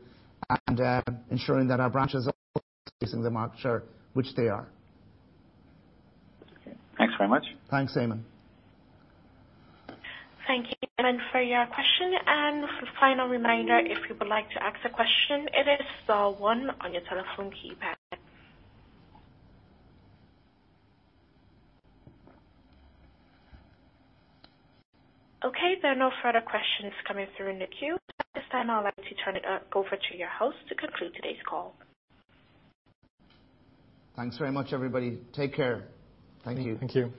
and ensuring that our branches are also increasing their market share, which they are. Okay. Thanks very much. Thanks, Eamonn. Thank you, Eamonn, for your question. For final reminder, if you would like to ask a question, it is star one on your telephone keypad. Okay, there are no further questions coming through in the queue. At this time, I would like to turn it over to your host to conclude today's call. Thanks very much, everybody. Take care. Thank you. Thank you.